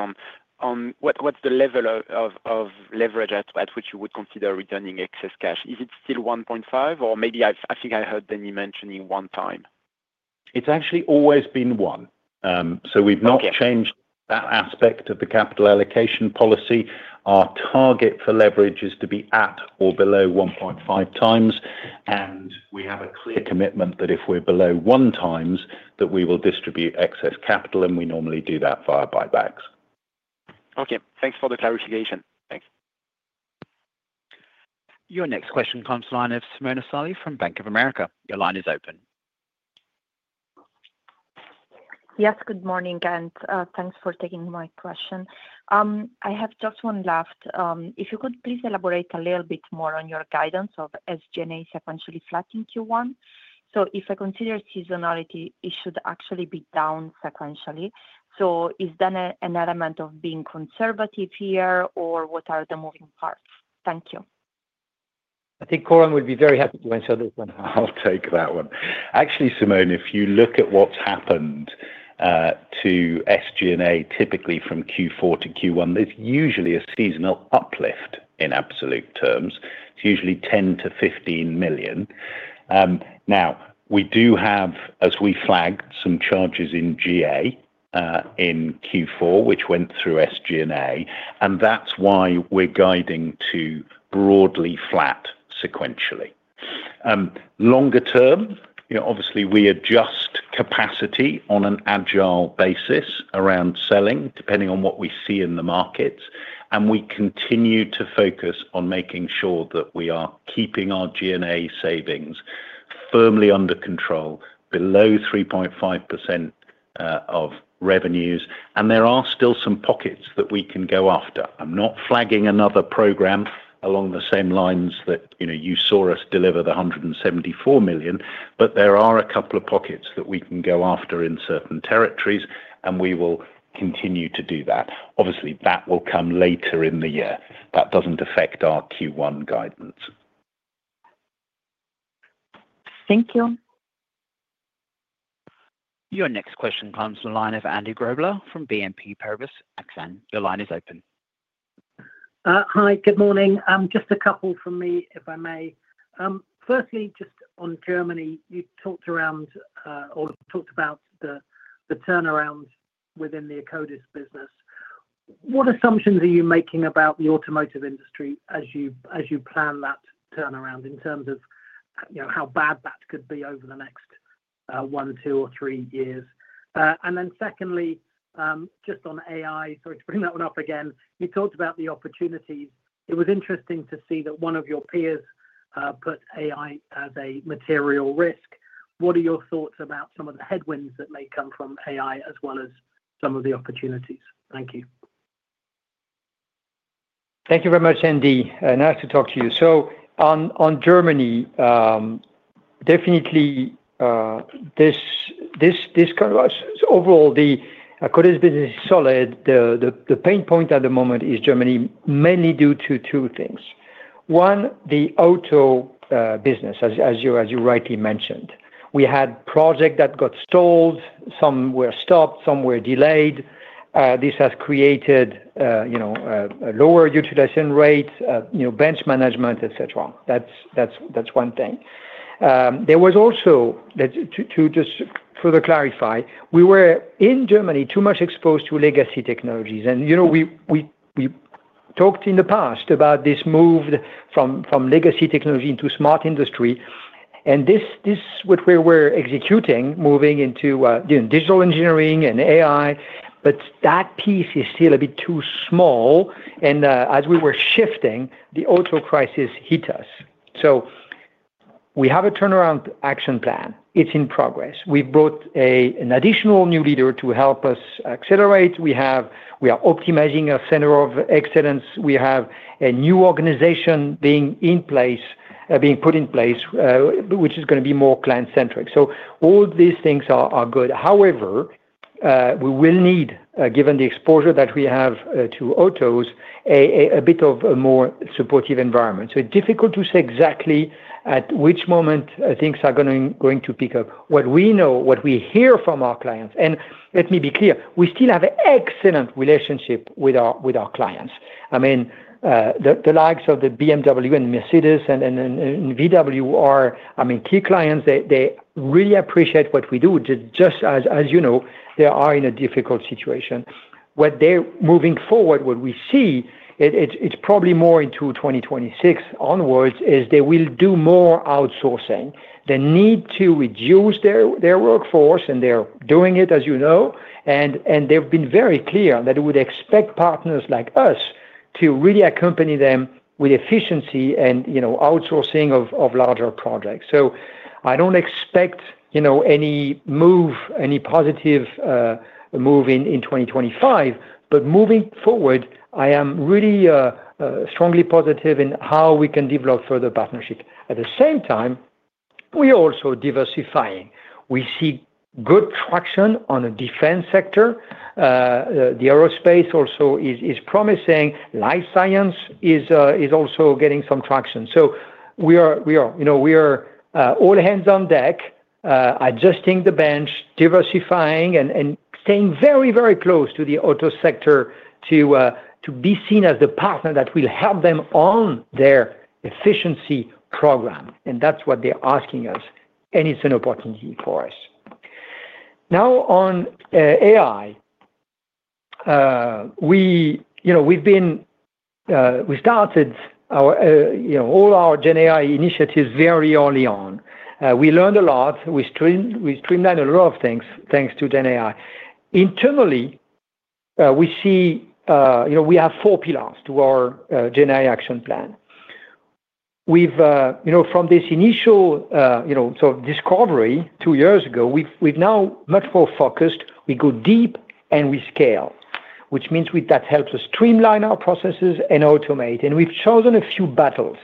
on what's the level of leverage at which you would consider returning excess cash? Is it still 1.5, or maybe I think I heard Denis mentioning one time? It's actually always been one. So we've not changed that aspect of the capital allocation policy. Our target for leverage is to be at or below 1.5x. And we have a clear commitment that if we're below one times, that we will distribute excess capital, and we normally do that via buybacks. Okay. Thanks for the clarification. Thanks. Your next question comes to Simona Sarli from Bank of America. Your line is open. Yes, good morning, and thanks for taking my question. I have just one last. If you could please elaborate a little bit more on your guidance of SG&A sequentially flat in Q1. So if I consider seasonality, it should actually be down sequentially. So is that an element of being conservative here, or what are the moving parts? Thank you. I think Coram would be very happy to answer this one. I'll take that one. Actually, Simona, if you look at what's happened to SG&A typically from Q4 to Q1, there's usually a seasonal uplift in absolute terms. It's usually 10-15 million. Now, we do have, as we flagged, some charges in GA in Q4, which went through SG&A, and that's why we're guiding to broadly flat sequentially. Longer term, obviously, we adjust capacity on an agile basis around selling, depending on what we see in the markets. And we continue to focus on making sure that we are keeping our G&A savings firmly under control, below 3.5% of revenues. And there are still some pockets that we can go after. I'm not flagging another program along the same lines that you saw us deliver the 174 million, but there are a couple of pockets that we can go after in certain territories, and we will continue to do that. Obviously, that will come later in the year. That doesn't affect our Q1 guidance. Thank you. Your next question comes to Andy Grobler from BNP Paribas Exane. Your line is open. Hi, good morning. Just a couple from me, if I may. Firstly, just on Germany, you talked around or talked about the turnaround within the Akkodis business. What assumptions are you making about the automotive industry as you plan that turnaround in terms of how bad that could be over the next one, two, or three years? And then secondly, just on AI, sorry to bring that one up again, you talked about the opportunities. It was interesting to see that one of your peers put AI as a material risk. What are your thoughts about some of the headwinds that may come from AI as well as some of the opportunities? Thank you. Thank you very much, Andy. Nice to talk to you. So on Germany, definitely this kind of overall, the Akkodis business is solid. The pain point at the moment is Germany, mainly due to two things. One, the auto business, as you rightly mentioned. We had projects that got stalled. Some were stopped. Some were delayed. This has created a lower utilization rate, bench management, etc. That's one thing. There was also, to just further clarify, we were in Germany too much exposed to legacy technologies. And we talked in the past about this move from legacy technology into Smart Industry. And this is what we were executing, moving into digital engineering and AI. But that piece is still a bit too small. And as we were shifting, the auto crisis hit us. So we have a turnaround action plan. It's in progress. We've brought an additional new leader to help us accelerate. We are optimizing our center of excellence. We have a new organization being put in place, which is going to be more client-centric. So all these things are good. However, we will need, given the exposure that we have to autos, a bit of a more supportive environment. So it's difficult to say exactly at which moment things are going to pick up. What we know, what we hear from our clients, and let me be clear, we still have an excellent relationship with our clients. I mean, the likes of the BMW and Mercedes and VW are key clients. They really appreciate what we do. Just as you know, they are in a difficult situation. What they're moving forward, what we see, it's probably more into 2026 onwards, is they will do more outsourcing. They need to reduce their workforce, and they're doing it, as you know, and they've been very clear that they would expect partners like us to really accompany them with efficiency and outsourcing of larger projects. So, I don't expect any move, any positive move in 2025. But moving forward, I am really strongly positive in how we can develop further partnership. At the same time, we are also diversifying. We see good traction on the defense sector. The aerospace also is promising. Life science is also getting some traction. So we are all hands on deck, adjusting the bench, diversifying, and staying very, very close to the auto sector to be seen as the partner that will help them on their efficiency program. And that's what they're asking us. And it's an opportunity for us. Now, on AI, we've started all our GenAI initiatives very early on. We learned a lot. We streamlined a lot of things thanks to GenAI. Internally, we see we have four pillars to our GenAI action plan. From this initial sort of discovery two years ago, we've now much more focused. We go deep and we scale, which means that helps us streamline our processes and automate. We've chosen a few battles,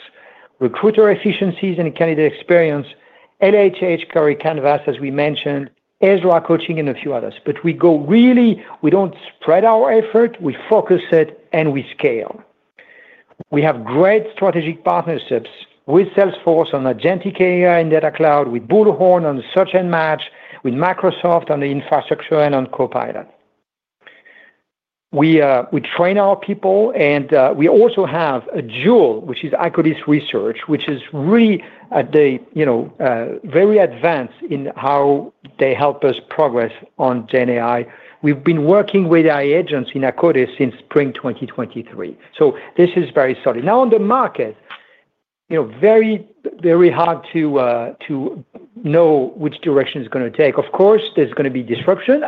recruiter efficiencies and candidate experience, LHH Career Canvas, as we mentioned, Ezra coaching, and a few others. But we really don't spread our effort. We focus it and we scale. We have great strategic partnerships with Salesforce on agentic AI and Data Cloud, with Bullhorn on Search & Match, with Microsoft on the infrastructure and on Copilot. We train our people, and we also have a jewel, which is Akkodis Research, which is really very advanced in how they help us progress on GenAI. We've been working with our agents in Akkodis since spring 2023. This is very solid. Now, on the market, very, very hard to know which direction it's going to take. Of course, there's going to be disruption,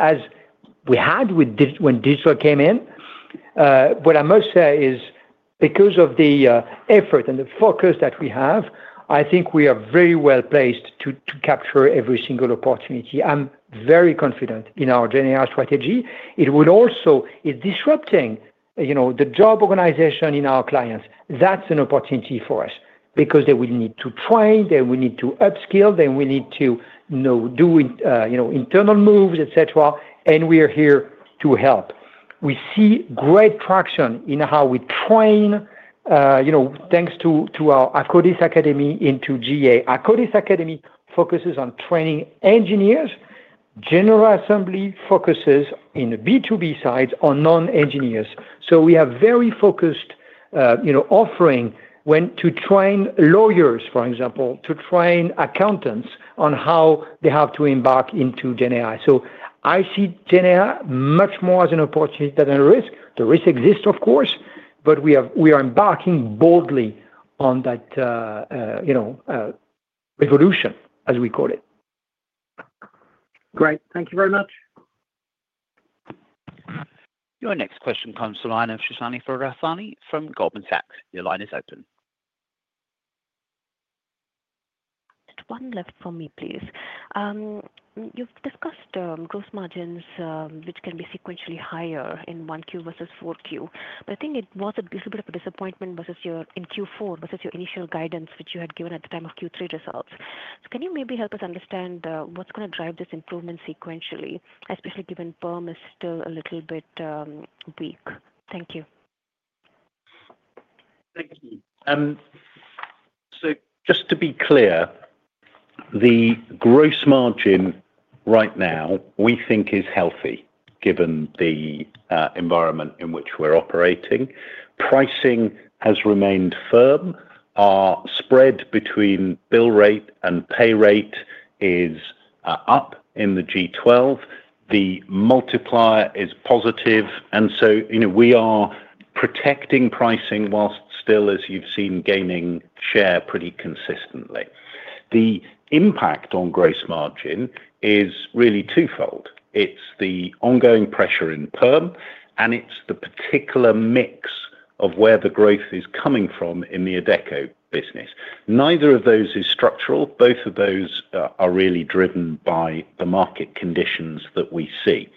as we had when digital came in. What I must say is, because of the effort and the focus that we have, I think we are very well placed to capture every single opportunity. I'm very confident in our GenAI strategy. It would also be disrupting the job organization in our clients. That's an opportunity for us because they will need to train, they will need to upskill, they will need to do internal moves, etc., and we are here to help. We see great traction in how we train, thanks to our Akkodis Academy into GA. Akkodis Academy focuses on training engineers. General Assembly focuses on the B2B sides on non-engineers. So we have very focused offering to train lawyers, for example, to train accountants on how they have to embark into GenAI. So I see GenAI much more as an opportunity than a risk. The risk exists, of course, but we are embarking boldly on that revolution, as we call it. Great. Thank you very much. Your next question comes to Suhasini Varanasi from Goldman Sachs. Your line is open. Just one left for me, please. You've discussed gross margins, which can be sequentially higher in 1Q versus 4Q. But I think it was a little bit of a disappointment in Q4 versus your initial guidance, which you had given at the time of Q3 results. So can you maybe help us understand what's going to drive this improvement sequentially, especially given perm is still a little bit weak? Thank you. Thank you. So just to be clear, the gross margin right now we think is healthy given the environment in which we're operating. Pricing has remained firm. Our spread between bill rate and pay rate is up in the G12. The multiplier is positive. And so we are protecting pricing while still, as you've seen, gaining share pretty consistently. The impact on gross margin is really twofold. It's the ongoing pressure in perm, and it's the particular mix of where the growth is coming from in the Adecco business. Neither of those is structural. Both of those are really driven by the market conditions that we see.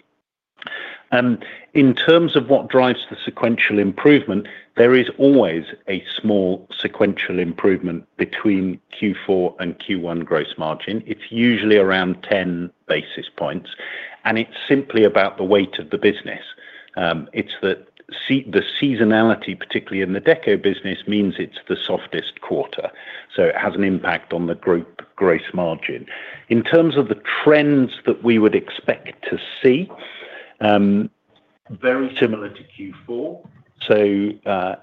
In terms of what drives the sequential improvement, there is always a small sequential improvement between Q4 and Q1 gross margin. It's usually around 10 basis points. And it's simply about the weight of the business. It's that the seasonality, particularly in the Adecco business, means it's the softest quarter. So it has an impact on the group gross margin. In terms of the trends that we would expect to see, very similar to Q4. So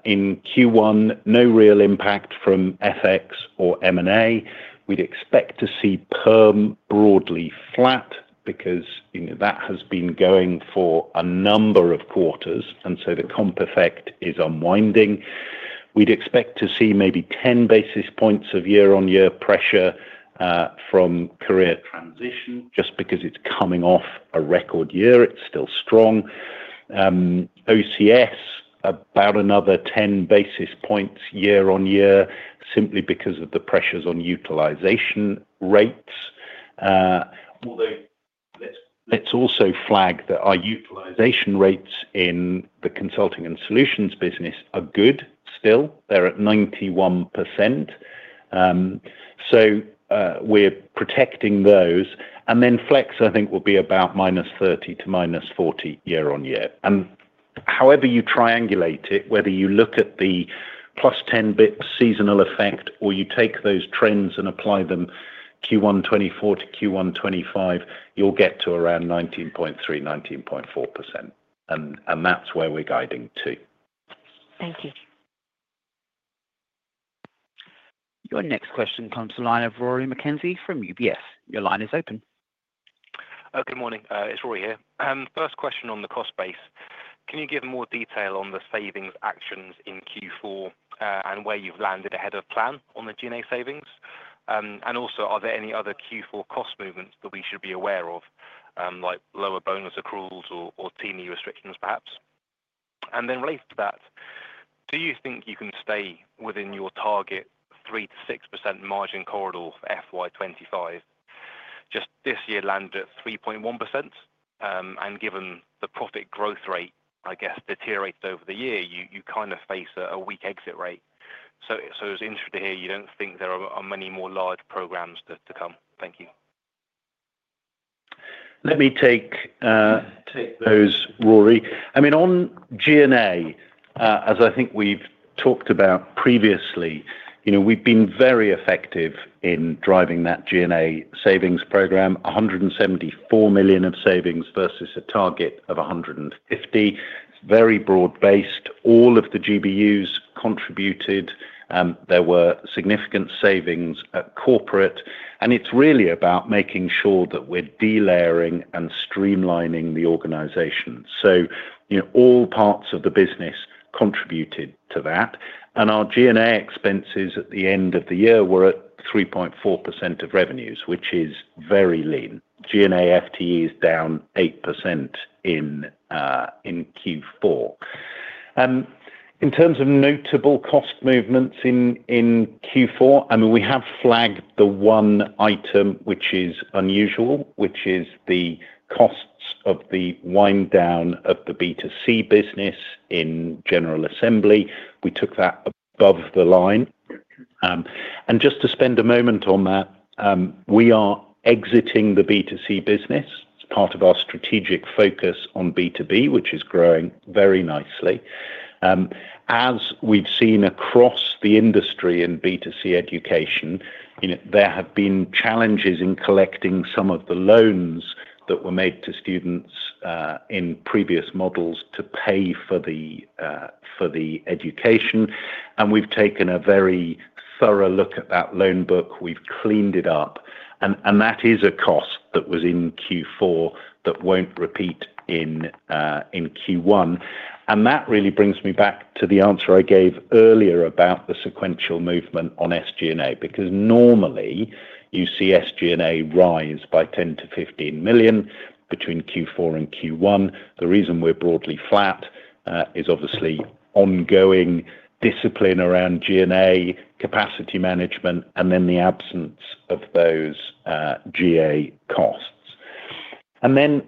in Q1, no real impact from FX or M&A. We'd expect to see perm broadly flat because that has been going for a number of quarters. And so the comp effect is unwinding. We'd expect to see maybe 10 basis points of year-on-year pressure from Career Transition just because it's coming off a record year. It's still strong. OC&S, about another 10 basis points year-on-year simply because of the pressures on utilization rates. Although let's also flag that our utilization rates in the Consulting & Solutions business are good still. They're at 91%. So we're protecting those. And then Flex, I think, will be about -30 to -40 year-on-year. And however you triangulate it, whether you look at the plus 10 basis points seasonal effect or you take those trends and apply them Q1 2024 to Q1 2025, you'll get to around 19.3%-19.4%. And that's where we're guiding to. Thank you. Your next question comes to Rory McKenzie from UBS. Your line is open. Good morning. It's Rory here. First question on the cost base. Can you give more detail on the savings actions in Q4 and where you've landed ahead of plan on the G&A savings? And also, are there any other Q4 cost movements that we should be aware of, like lower bonus accruals or T&E restrictions, perhaps? And then related to that, do you think you can stay within your target 3%-6% margin corridor FY 2025? Just this year landed at 3.1%. And given the profit growth rate, I guess, deteriorated over the year, you kind of face a weak exit rate. So it was interesting to hear you don't think there are many more large programs to come. Thank you. Let me take those, Rory. I mean, on G&A, as I think we've talked about previously, we've been very effective in driving that G&A savings program, 174 million of savings versus a target of 150. It's very broad-based. All of the GBUs contributed. There were significant savings at corporate. It's really about making sure that we're delayering and streamlining the organization. All parts of the business contributed to that. Our G&A expenses at the end of the year were at 3.4% of revenues, which is very lean. G&A FTE is down 8% in Q4. In terms of notable cost movements in Q4, I mean, we have flagged the one item, which is unusual, which is the costs of the wind down of the B2C business in General Assembly. We took that above the line. And just to spend a moment on that, we are exiting the B2C business. It's part of our strategic focus on B2B, which is growing very nicely. As we've seen across the industry in B2C education, there have been challenges in collecting some of the loans that were made to students in previous models to pay for the education. And we've taken a very thorough look at that loan book. We've cleaned it up. And that is a cost that was in Q4 that won't repeat in Q1. That really brings me back to the answer I gave earlier about the sequential movement on SG&A because normally you see SG&A rise by 10 million-15 million between Q4 and Q1. The reason we're broadly flat is obviously ongoing discipline around G&A, capacity management, and then the absence of those G&A costs. Then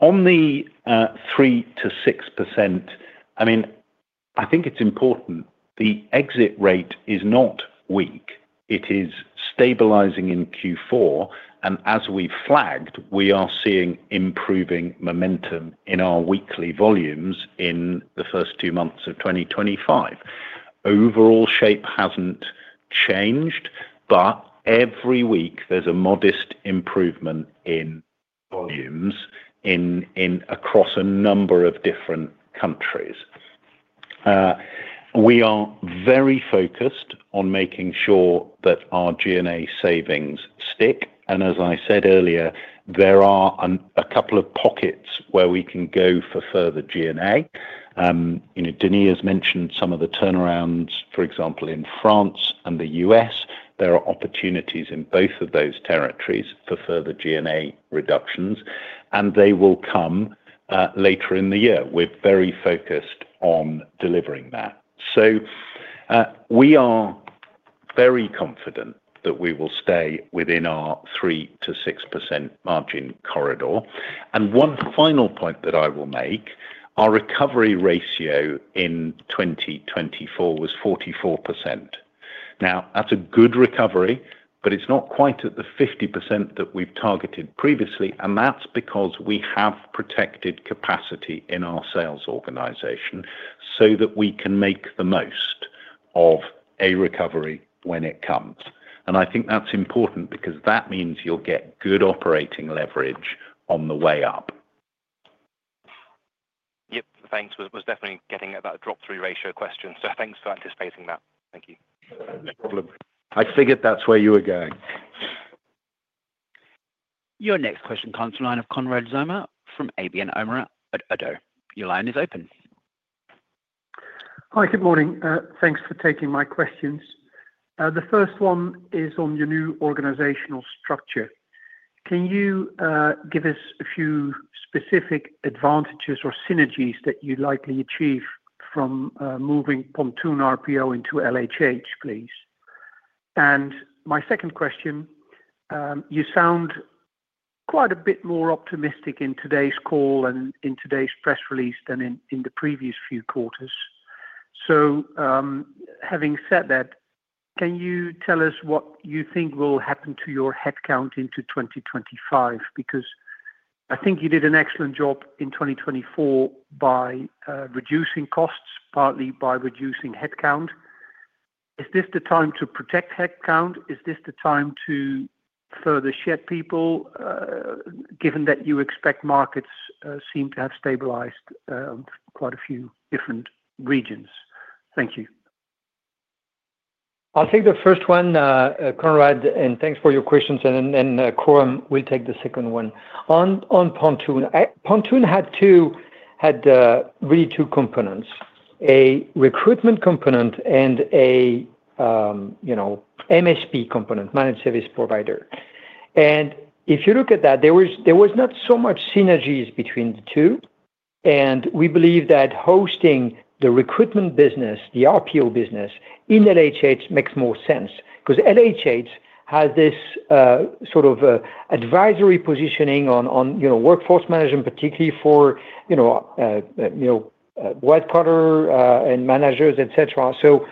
on the 3%-6%, I mean, I think it's important the exit rate is not weak. It is stabilizing in Q4. As we've flagged, we are seeing improving momentum in our weekly volumes in the first two months of 2025. Overall shape hasn't changed, but every week there's a modest improvement in volumes across a number of different countries. We are very focused on making sure that our G&A savings stick. As I said earlier, there are a couple of pockets where we can go for further G&A. Denis has mentioned some of the turnarounds, for example, in France and the U.S. There are opportunities in both of those territories for further G&A reductions. And they will come later in the year. We're very focused on delivering that. So we are very confident that we will stay within our 3%-6% margin corridor. And one final point that I will make, our recovery ratio in 2024 was 44%. Now, that's a good recovery, but it's not quite at the 50% that we've targeted previously. And that's because we have protected capacity in our sales organization so that we can make the most of a recovery when it comes. And I think that's important because that means you'll get good operating leverage on the way up. Yep. Thanks. Was definitely getting about a drop-through ratio question. So thanks for anticipating that. Thank you. No problem. I figured that's where you were going. Your next question from Konrad Zomer from ABN AMRO-ODDO BHF. Your line is open. Hi, good morning. Thanks for taking my questions. The first one is on your new organizational structure. Can you give us a few specific advantages or synergies that you'd likely achieve from moving Pontoon RPO into LHH, please? And my second question, you sound quite a bit more optimistic in today's call and in today's press release than in the previous few quarters. So having said that, can you tell us what you think will happen to your headcount into 2025? Because I think you did an excellent job in 2024 by reducing costs, partly by reducing headcount. Is this the time to protect headcount? Is this the time to further shed people, given that you expect markets seem to have stabilized quite a few different regions? Thank you. I think the first one, Konrad, and thanks for your questions, and Coram will take the second one. On Pontoon, Pontoon had really two components, a recruitment component and an MSP component, managed service provider, and if you look at that, there was not so much synergies between the two, and we believe that hosting the recruitment business, the RPO business in LHH makes more sense because LHH has this sort of advisory positioning on workforce management, particularly for white-collar and managers, etc., so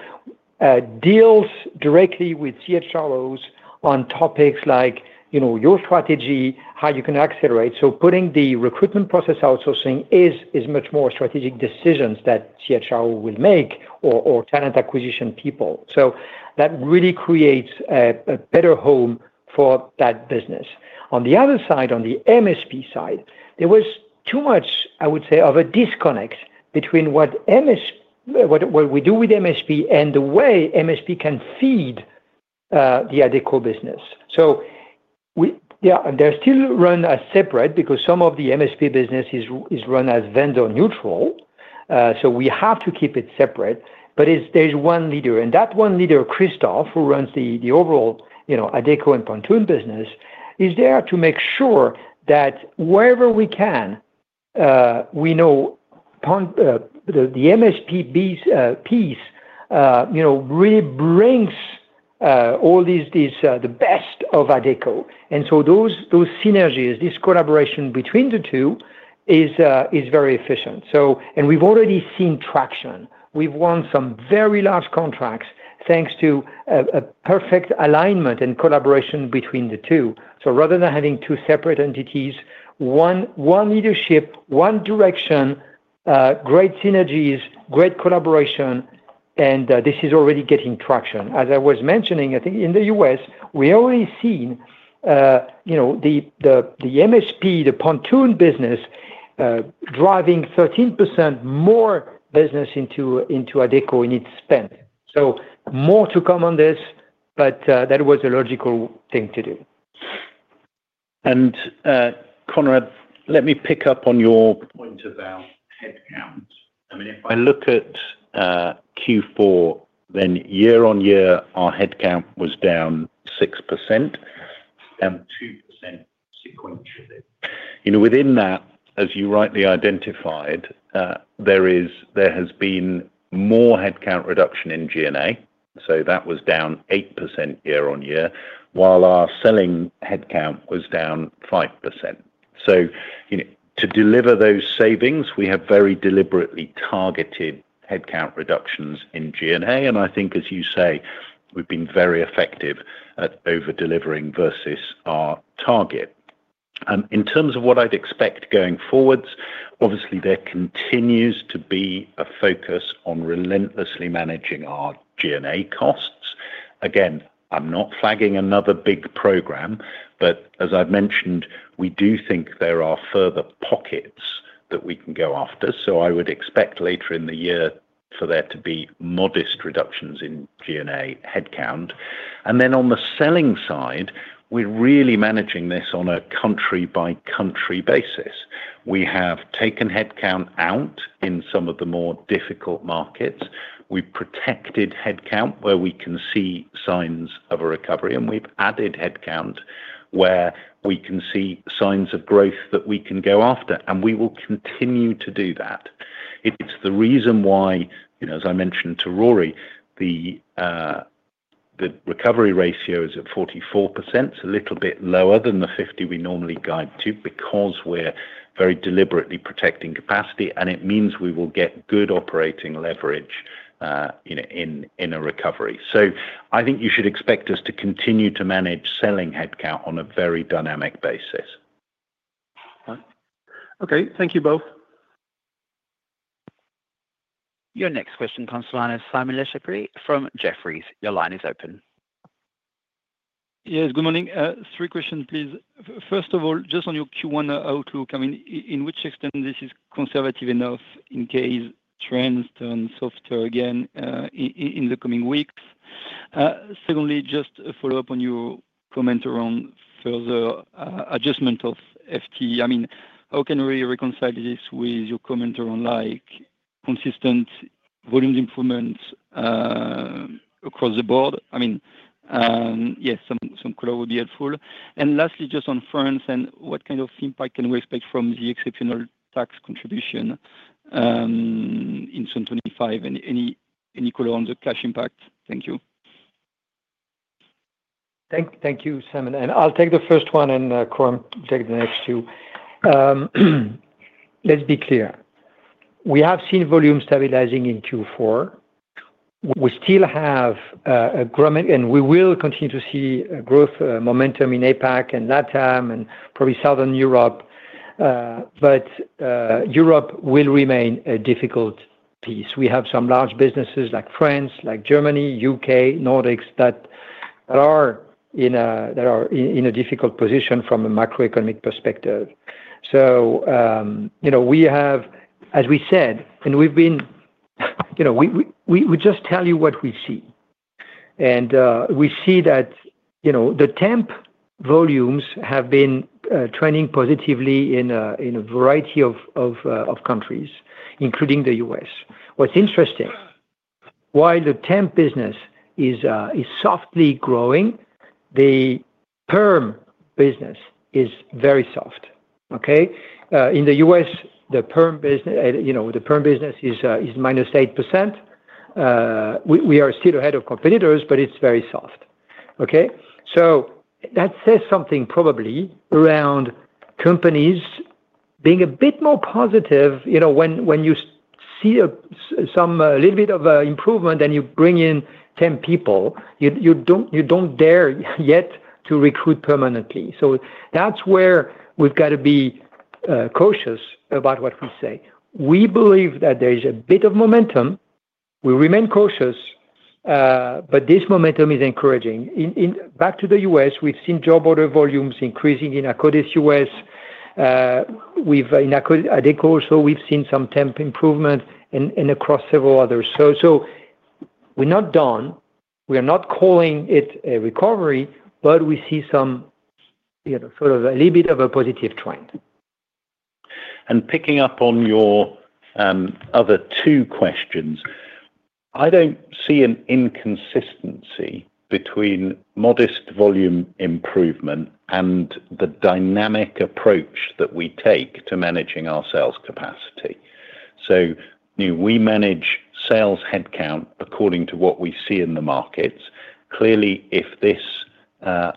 deals directly with CHROs on topics like your strategy, how you can accelerate, so putting the recruitment process outsourcing is much more strategic decisions that CHRO will make or talent acquisition people, so that really creates a better home for that business. On the other side, on the MSP side, there was too much, I would say, of a disconnect between what we do with MSP and the way MSP can feed the Adecco business. So they're still run as separate because some of the MSP business is run as vendor neutral. So we have to keep it separate. But there's one leader. And that one leader, Christophe, who runs the overall Adecco and Pontoon business, is there to make sure that wherever we can, we know the MSP piece really brings all the best of Adecco. And so those synergies, this collaboration between the two is very efficient. And we've already seen traction. We've won some very large contracts thanks to a perfect alignment and collaboration between the two. So rather than having two separate entities, one leadership, one direction, great synergies, great collaboration. And this is already getting traction. As I was mentioning, I think in the U.S., we've already seen the MSP, the Pontoon business, driving 13% more business into Adecco in its spend. So more to come on this, but that was a logical thing to do. And Konrad, let me pick up on your point about headcount. I mean, if I look at Q4, then year-on-year, our headcount was down 6% and 2% sequentially. Within that, as you rightly identified, there has been more headcount reduction in G&A. So that was down 8% year-on-year, while our selling headcount was down 5%. So to deliver those savings, we have very deliberately targeted headcount reductions in G&A. And I think, as you say, we've been very effective at over-delivering versus our target. In terms of what I'd expect going forward, obviously, there continues to be a focus on relentlessly managing our G&A costs. Again, I'm not flagging another big program. But as I've mentioned, we do think there are further pockets that we can go after. So I would expect later in the year for there to be modest reductions in G&A headcount. And then on the selling side, we're really managing this on a country-by-country basis. We have taken headcount out in some of the more difficult markets. We've protected headcount where we can see signs of a recovery. And we've added headcount where we can see signs of growth that we can go after. And we will continue to do that. It's the reason why, as I mentioned to Rory, the recovery ratio is at 44%. It's a little bit lower than the 50% we normally guide to because we're very deliberately protecting capacity. And it means we will get good operating leverage in a recovery. So I think you should expect us to continue to manage selling headcount on a very dynamic basis. Okay. Thank you both. Your next question, the call line is Simon Lechipre from Jefferies. Your line is open. Yes. Good morning. Three questions, please. First of all, just on your Q1 outlook, I mean, to what extent this is conservative enough in case trends turn softer again in the coming weeks? Secondly, just a follow-up on your comment around further adjustment of FTE. I mean, how can we reconcile this with your comment around consistent volume improvements across the board? I mean, yes, some color would be helpful. And lastly, just on France, and what kind of impact can we expect from the exceptional tax contribution in 2025? And any color on the cash impact? Thank you. Thank you, Simon. And I'll take the first one, and Coram will take the next two. Let's be clear. We have seen volume stabilizing in Q4. We still have a growth, and we will continue to see growth momentum in APAC and LATAM and probably Southern Europe. But Europe will remain a difficult piece. We have some large businesses like France, like Germany, U.K., Nordics that are in a difficult position from a macroeconomic perspective. So we have, as we said, and we've been we just tell you what we see. And we see that the temp volumes have been trending positively in a variety of countries, including the U.S. What's interesting, while the temp business is softly growing, the perm business is very soft. Okay? In the U.S., the perm business is -8%. We are still ahead of competitors, but it's very soft. Okay? So that says something probably around companies being a bit more positive. When you see a little bit of improvement and you bring in 10 people, you don't dare yet to recruit permanently. So that's where we've got to be cautious about what we say. We believe that there is a bit of momentum. We remain cautious, but this momentum is encouraging. Back to the U.S., we've seen job order volumes increasing in Akkodis U.S. In Adecco, also, we've seen some temp improvement and across several others. So we're not done. We are not calling it a recovery, but we see some sort of a little bit of a positive trend. And picking up on your other two questions, I don't see an inconsistency between modest volume improvement and the dynamic approach that we take to managing our sales capacity. We manage sales headcount according to what we see in the markets. Clearly, if this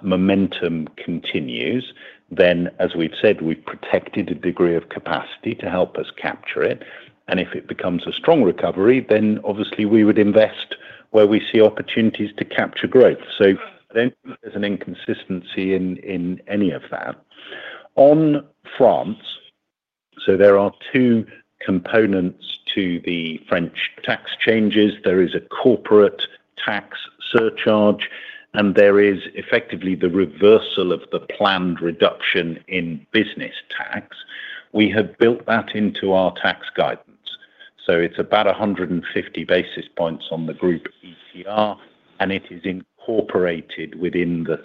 momentum continues, then, as we've said, we've protected a degree of capacity to help us capture it. And if it becomes a strong recovery, then obviously, we would invest where we see opportunities to capture growth. So there's an inconsistency in any of that. On France, so there are two components to the French tax changes. There is a corporate tax surcharge, and there is effectively the reversal of the planned reduction in business tax. We have built that into our tax guidance. So it's about 150 basis points on the group ETR, and it is incorporated within the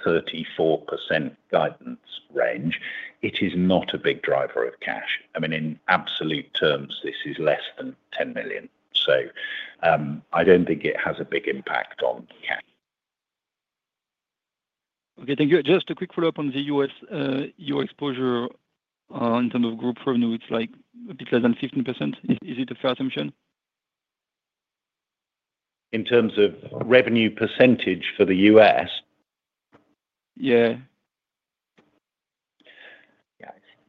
34% guidance range. It is not a big driver of cash. I mean, in absolute terms, this is less than 10 million. So I don't think it has a big impact on cash. Okay. Thank you. Just a quick follow-up on the U.S., your exposure in terms of group revenue, it's like a bit less than 15%. Is it a fair assumption? In terms of revenue percentage for the U.S.? Yeah.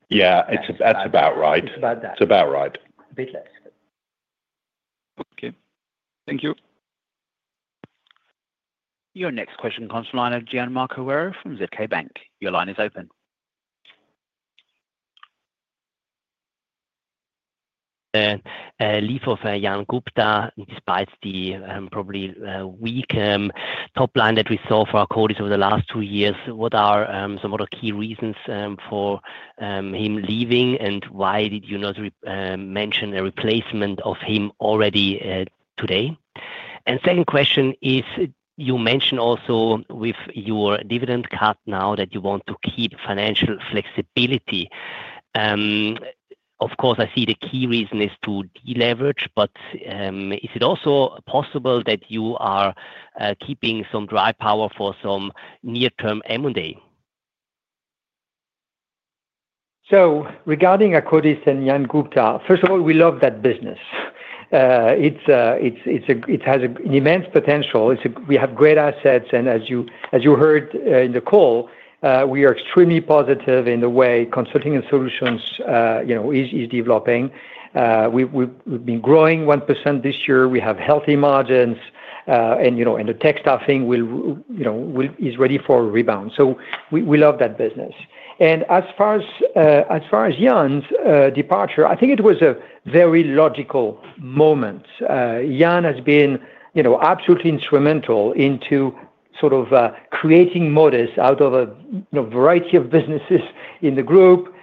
Yeah. That's about right. It's about right. A bit less. Okay. Thank you. Your next question from the line of Gian Marco Werro from Zürcher Kantonalbank. Your line is open. Leave of Jan Gupta, despite the probably weak top line that we saw for Akkodis over the last two years, what are some of the key reasons for him leaving, and why did you not mention a replacement of him already today? And second question is, you mentioned also with your dividend cut now that you want to keep financial flexibility. Of course, I see the key reason is to deleverage, but is it also possible that you are keeping some dry powder for some near-term M&A. Regarding Akkodis and Jan Gupta, first of all, we love that business. It has an immense potential. We have great assets. And as you heard in the call, we are extremely positive in the way Consulting & Solutions is developing. We've been growing 1% this year. We have healthy margins. And the tech staffing is ready for a rebound. So we love that business. And as far as Jan's departure, I think it was a very logical moment. Jan has been absolutely instrumental in sort of creating Modis out of a variety of businesses in the group,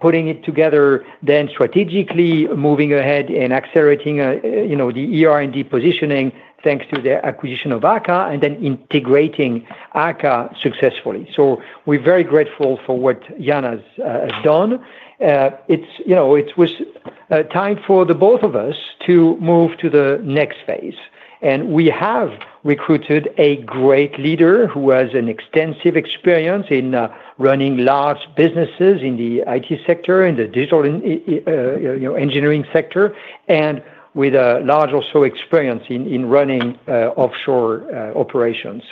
putting it together, then strategically moving ahead and accelerating the ER&D positioning thanks to the acquisition of AKKA and then integrating AKKA successfully. We're very grateful for what Jan has done. It was time for the both of us to move to the next phase. We have recruited a great leader who has extensive experience in running large businesses in the IT sector, in the digital engineering sector, and with a large also experience in running offshore operations.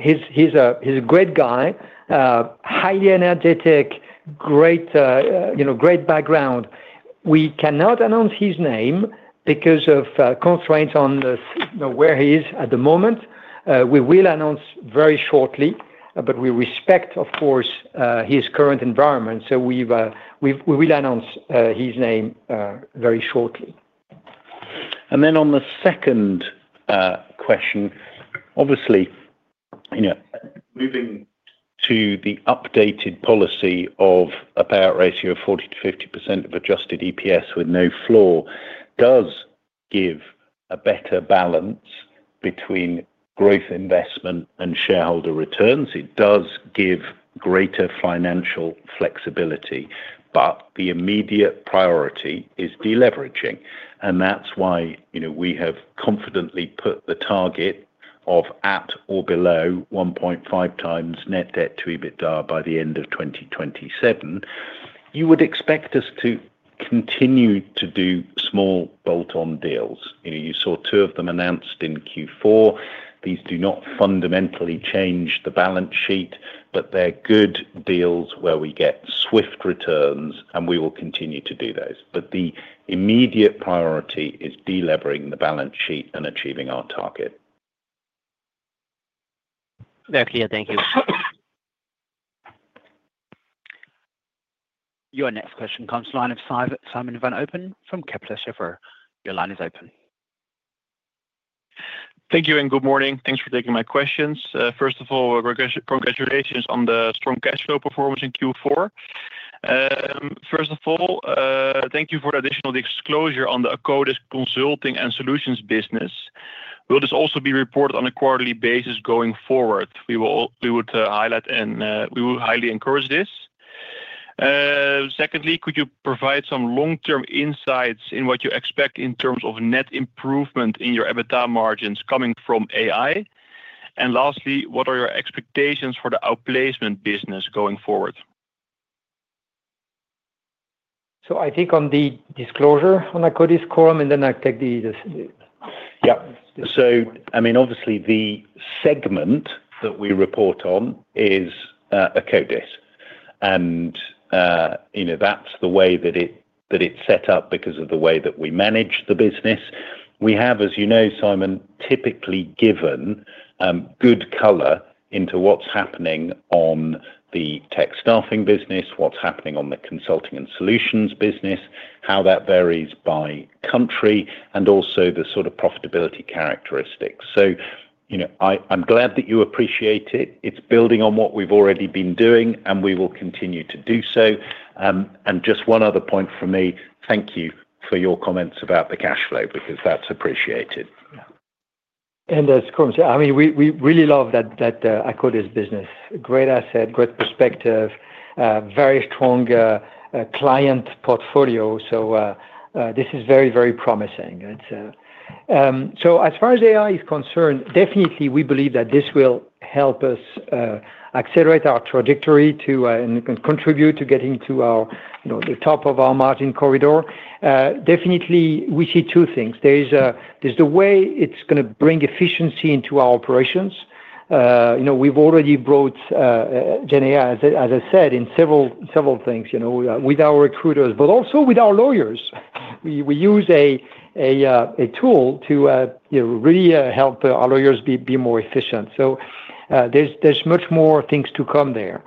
He's a great guy, highly energetic, great background. We cannot announce his name because of constraints on where he is at the moment. We will announce very shortly, but we respect, of course, his current environment. We will announce his name very shortly. Then on the second question, obviously, moving to the updated policy of a payout ratio of 40%-50% of Adjusted EPS with no floor does give a better balance between growth investment and shareholder returns. It does give greater financial flexibility. But the immediate priority is deleveraging. And that's why we have confidently put the target of at or below 1.5x net debt-to-EBITDA by the end of 2027. You would expect us to continue to do small bolt-on deals. You saw two of them announced in Q4. These do not fundamentally change the balance sheet, but they're good deals where we get swift returns, and we will continue to do those. But the immediate priority is deleveraging the balance sheet and achieving our target. Very clear. Thank you. Your next question, caller line of Simon van Oppen from Kepler Cheuvreux. Your line is open. Thank you and good morning. Thanks for taking my questions. First of all, congratulations on the strong cash flow performance in Q4. First of all, thank you for the additional disclosure on the Akkodis Consulting & Solutions business. Will this also be reported on a quarterly basis going forward? We would highlight and we will highly encourage this. Secondly, could you provide some long-term insights in what you expect in terms of net improvement in your EBITA margins coming from AI? And lastly, what are your expectations for the outplacement business going forward? So I think on the disclosure on Akkodis, Coram, and then I'll take the. So I mean, obviously, the segment that we report on is Akkodis. And that's the way that it's set up because of the way that we manage the business. We have, as you know, Simon, typically given good color into what's happening on the tech staffing business, what's happening on the Consulting & Solutions business, how that varies by country, and also the sort of profitability characteristics. So I'm glad that you appreciate it. It's building on what we've already been doing, and we will continue to do so and just one other point for me. Thank you for your comments about the cash flow because that's appreciated. And as Coram said, I mean, we really love that Akkodis business. Great asset, great perspective, very strong client portfolio. So this is very, very promising. So as far as AI is concerned, definitely, we believe that this will help us accelerate our trajectory and contribute to getting to the top of our margin corridor. Definitely, we see two things. There's the way it's going to bring efficiency into our operations. We've already brought GenAI, as I said, in several things with our recruiters, but also with our lawyers. We use a tool to really help our lawyers be more efficient. So there's much more things to come there.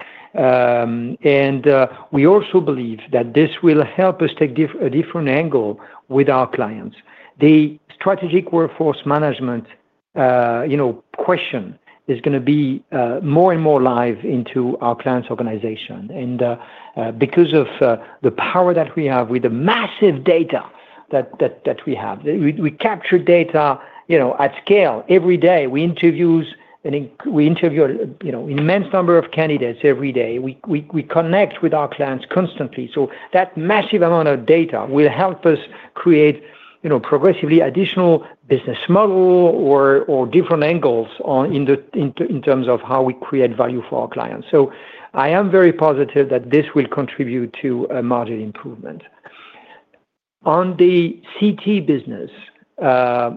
We also believe that this will help us take a different angle with our clients. The strategic workforce management question is going to be more and more live into our client's organization. Because of the power that we have with the massive data that we have, we capture data at scale every day. We interview an immense number of candidates every day. We connect with our clients constantly. That massive amount of data will help us create progressively additional business models or different angles in terms of how we create value for our clients. I am very positive that this will contribute to margin improvement. On the CT business, let's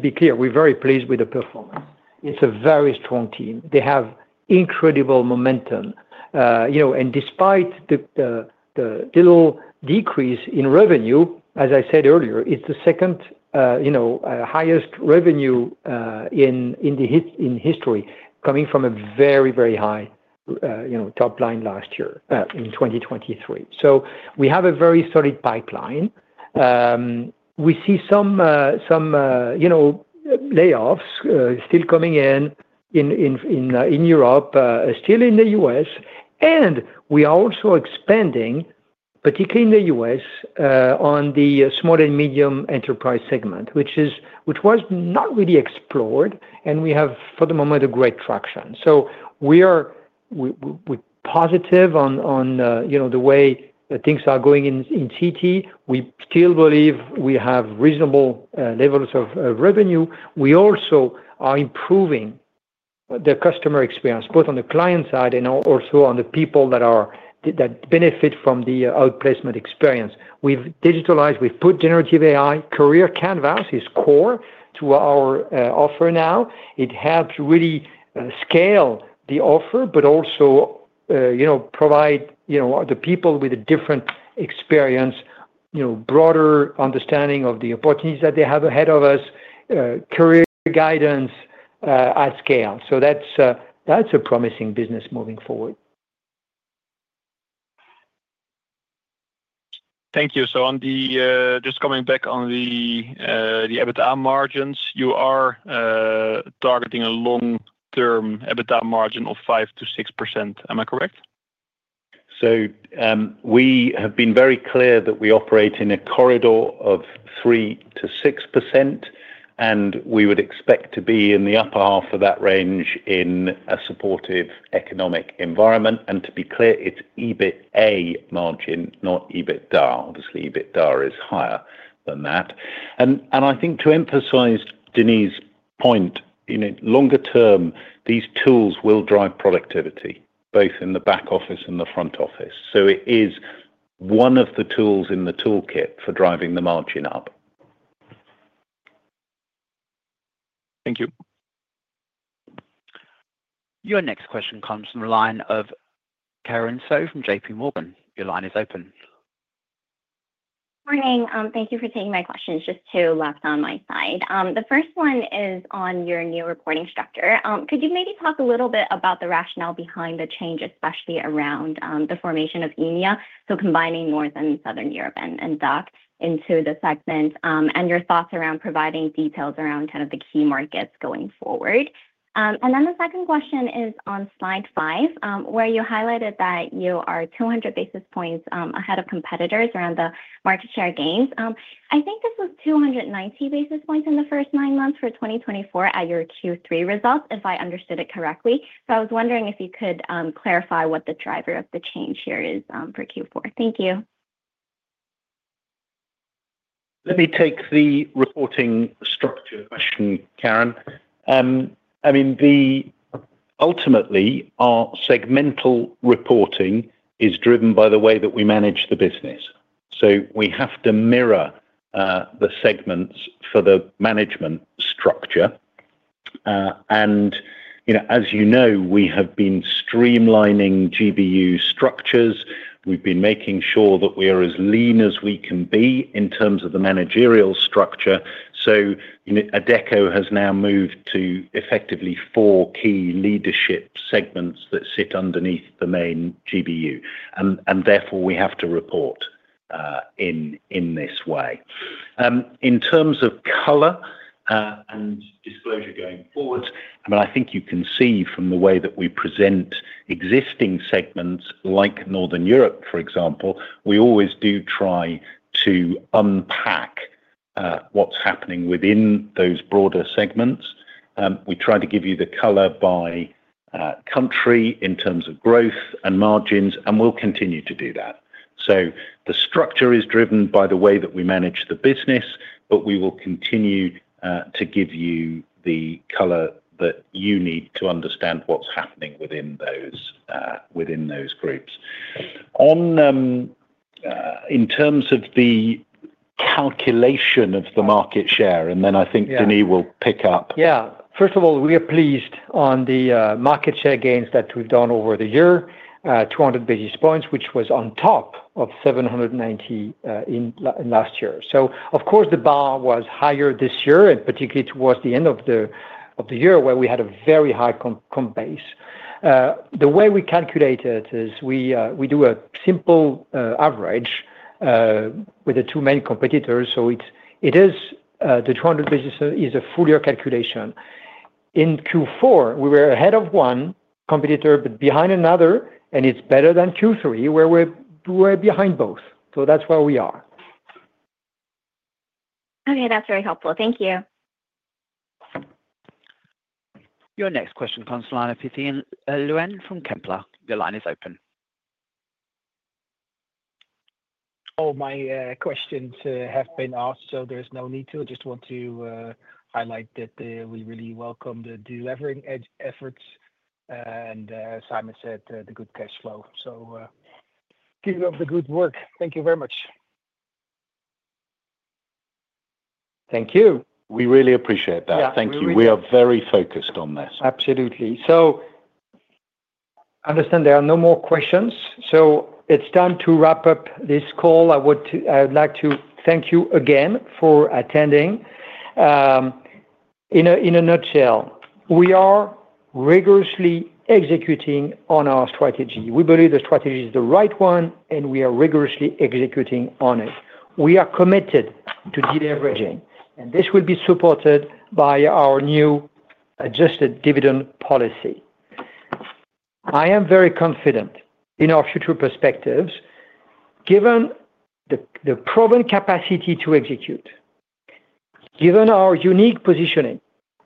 be clear, we're very pleased with the performance. It's a very strong team. They have incredible momentum. Despite the little decrease in revenue, as I said earlier, it's the second highest revenue in history coming from a very, very high top line last year in 2023. We have a very solid pipeline. We see some layoffs still coming in in Europe, still in the U.S. We are also expanding, particularly in the U.S., on the small and medium enterprise segment, which was not really explored. We have, for the moment, a great traction. We're positive on the way things are going in CT. We still believe we have reasonable levels of revenue. We also are improving the customer experience, both on the client side and also on the people that benefit from the outplacement experience. We've digitalized. We've put generative AI. Career Canvas is core to our offer now. It helps really scale the offer, but also provide the people with a different experience, broader understanding of the opportunities that they have ahead of us, career guidance at scale. So that's a promising business moving forward. Thank you. So just coming back on the EBITDA margins, you are targeting a long-term EBITDA margin of 5%-6%. Am I correct? So we have been very clear that we operate in a corridor of 3%-6%, and we would expect to be in the upper half of that range in a supportive economic environment. And to be clear, it's EBITA margin, not EBITDA. Obviously, EBITDA is higher than that. And I think to emphasize Denis' point, longer term, these tools will drive productivity, both in the back office and the front office. So it is one of the tools in the toolkit for driving the margin up. Thank you. Your next question comes from the line of Karin So from JPMorgan. Your line is open. Good morning. Thank you for taking my questions. Just two left on my side. The first one is on your new reporting structure. Could you maybe talk a little bit about the rationale behind the change, especially around the formation of EMEA, so combining North and Southern Europe and DACH into the segment, and your thoughts around providing details around kind of the key markets going forward? And then the second question is on slide five, where you highlighted that you are 200 basis points ahead of competitors around the market share gains. I think this was 290 basis points in the first nine months for 2024 at your Q3 results, if I understood it correctly. So I was wondering if you could clarify what the driver of the change here is for Q4. Thank you. Let me take the reporting structure question, Karin. I mean, ultimately, our segmental reporting is driven by the way that we manage the business. So we have to mirror the segments for the management structure. And as you know, we have been streamlining GBU structures. We've been making sure that we are as lean as we can be in terms of the managerial structure. So Adecco has now moved to effectively four key leadership segments that sit underneath the main GBU. And therefore, we have to report in this way. In terms of color and disclosure going forward, I mean, I think you can see from the way that we present existing segments like Northern Europe, for example, we always do try to unpack what's happening within those broader segments. We try to give you the color by country in terms of growth and margins, and we'll continue to do that. So the structure is driven by the way that we manage the business, but we will continue to give you the color that you need to understand what's happening within those groups. In terms of the calculation of the market share, and then I think Denis will pick up. Yeah. First of all, we are pleased on the market share gains that we've done over the year, 200 basis points, which was on top of 790 last year. So of course, the bar was higher this year, and particularly towards the end of the year where we had a very high comp base. The way we calculate it is we do a simple average with the two main competitors. So the 200 basis points is a full year calculation. In Q4, we were ahead of one competitor but behind another, and it's better than Q3, where we're behind both. So that's where we are. Okay. That's very helpful. Thank you. Your next question from the line of Piethen Leune from Kepler. Your line is open. All my questions have been asked, so there's no need to. I just want to highlight that we really welcome the delivering efforts. And Simon said the good cash flow. So keep up the good work. Thank you very much. Thank you. We really appreciate that. Thank you. We are very focused on this. Absolutely. So I understand there are no more questions. So it's time to wrap up this call. I would like to thank you again for attending. In a nutshell, we are rigorously executing on our strategy. We believe the strategy is the right one, and we are rigorously executing on it. We are committed to deleveraging, and this will be supported by our new adjusted dividend policy. I am very confident in our future perspectives, given the proven capacity to execute, given our unique positioning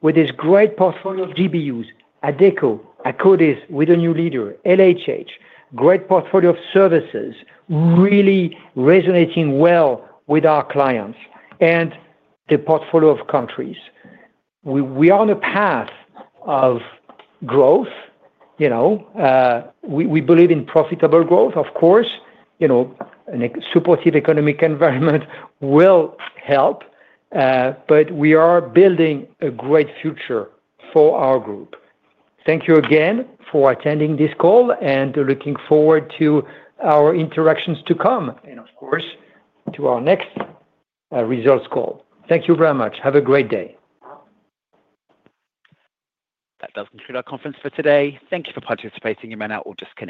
with this great portfolio of GBUs, Adecco, Akkodis with a new leader, LHH, great portfolio of services, really resonating well with our clients, and the portfolio of countries. We are on a path of growth. We believe in profitable growth, of course. A supportive economic environment will help, but we are building a great future for our group. Thank you again for attending this call and looking forward to our interactions to come, and of course, to our next results call. Thank you very much. Have a great day. That does conclude our conference for today. Thank you for participating. You may now all disconnect.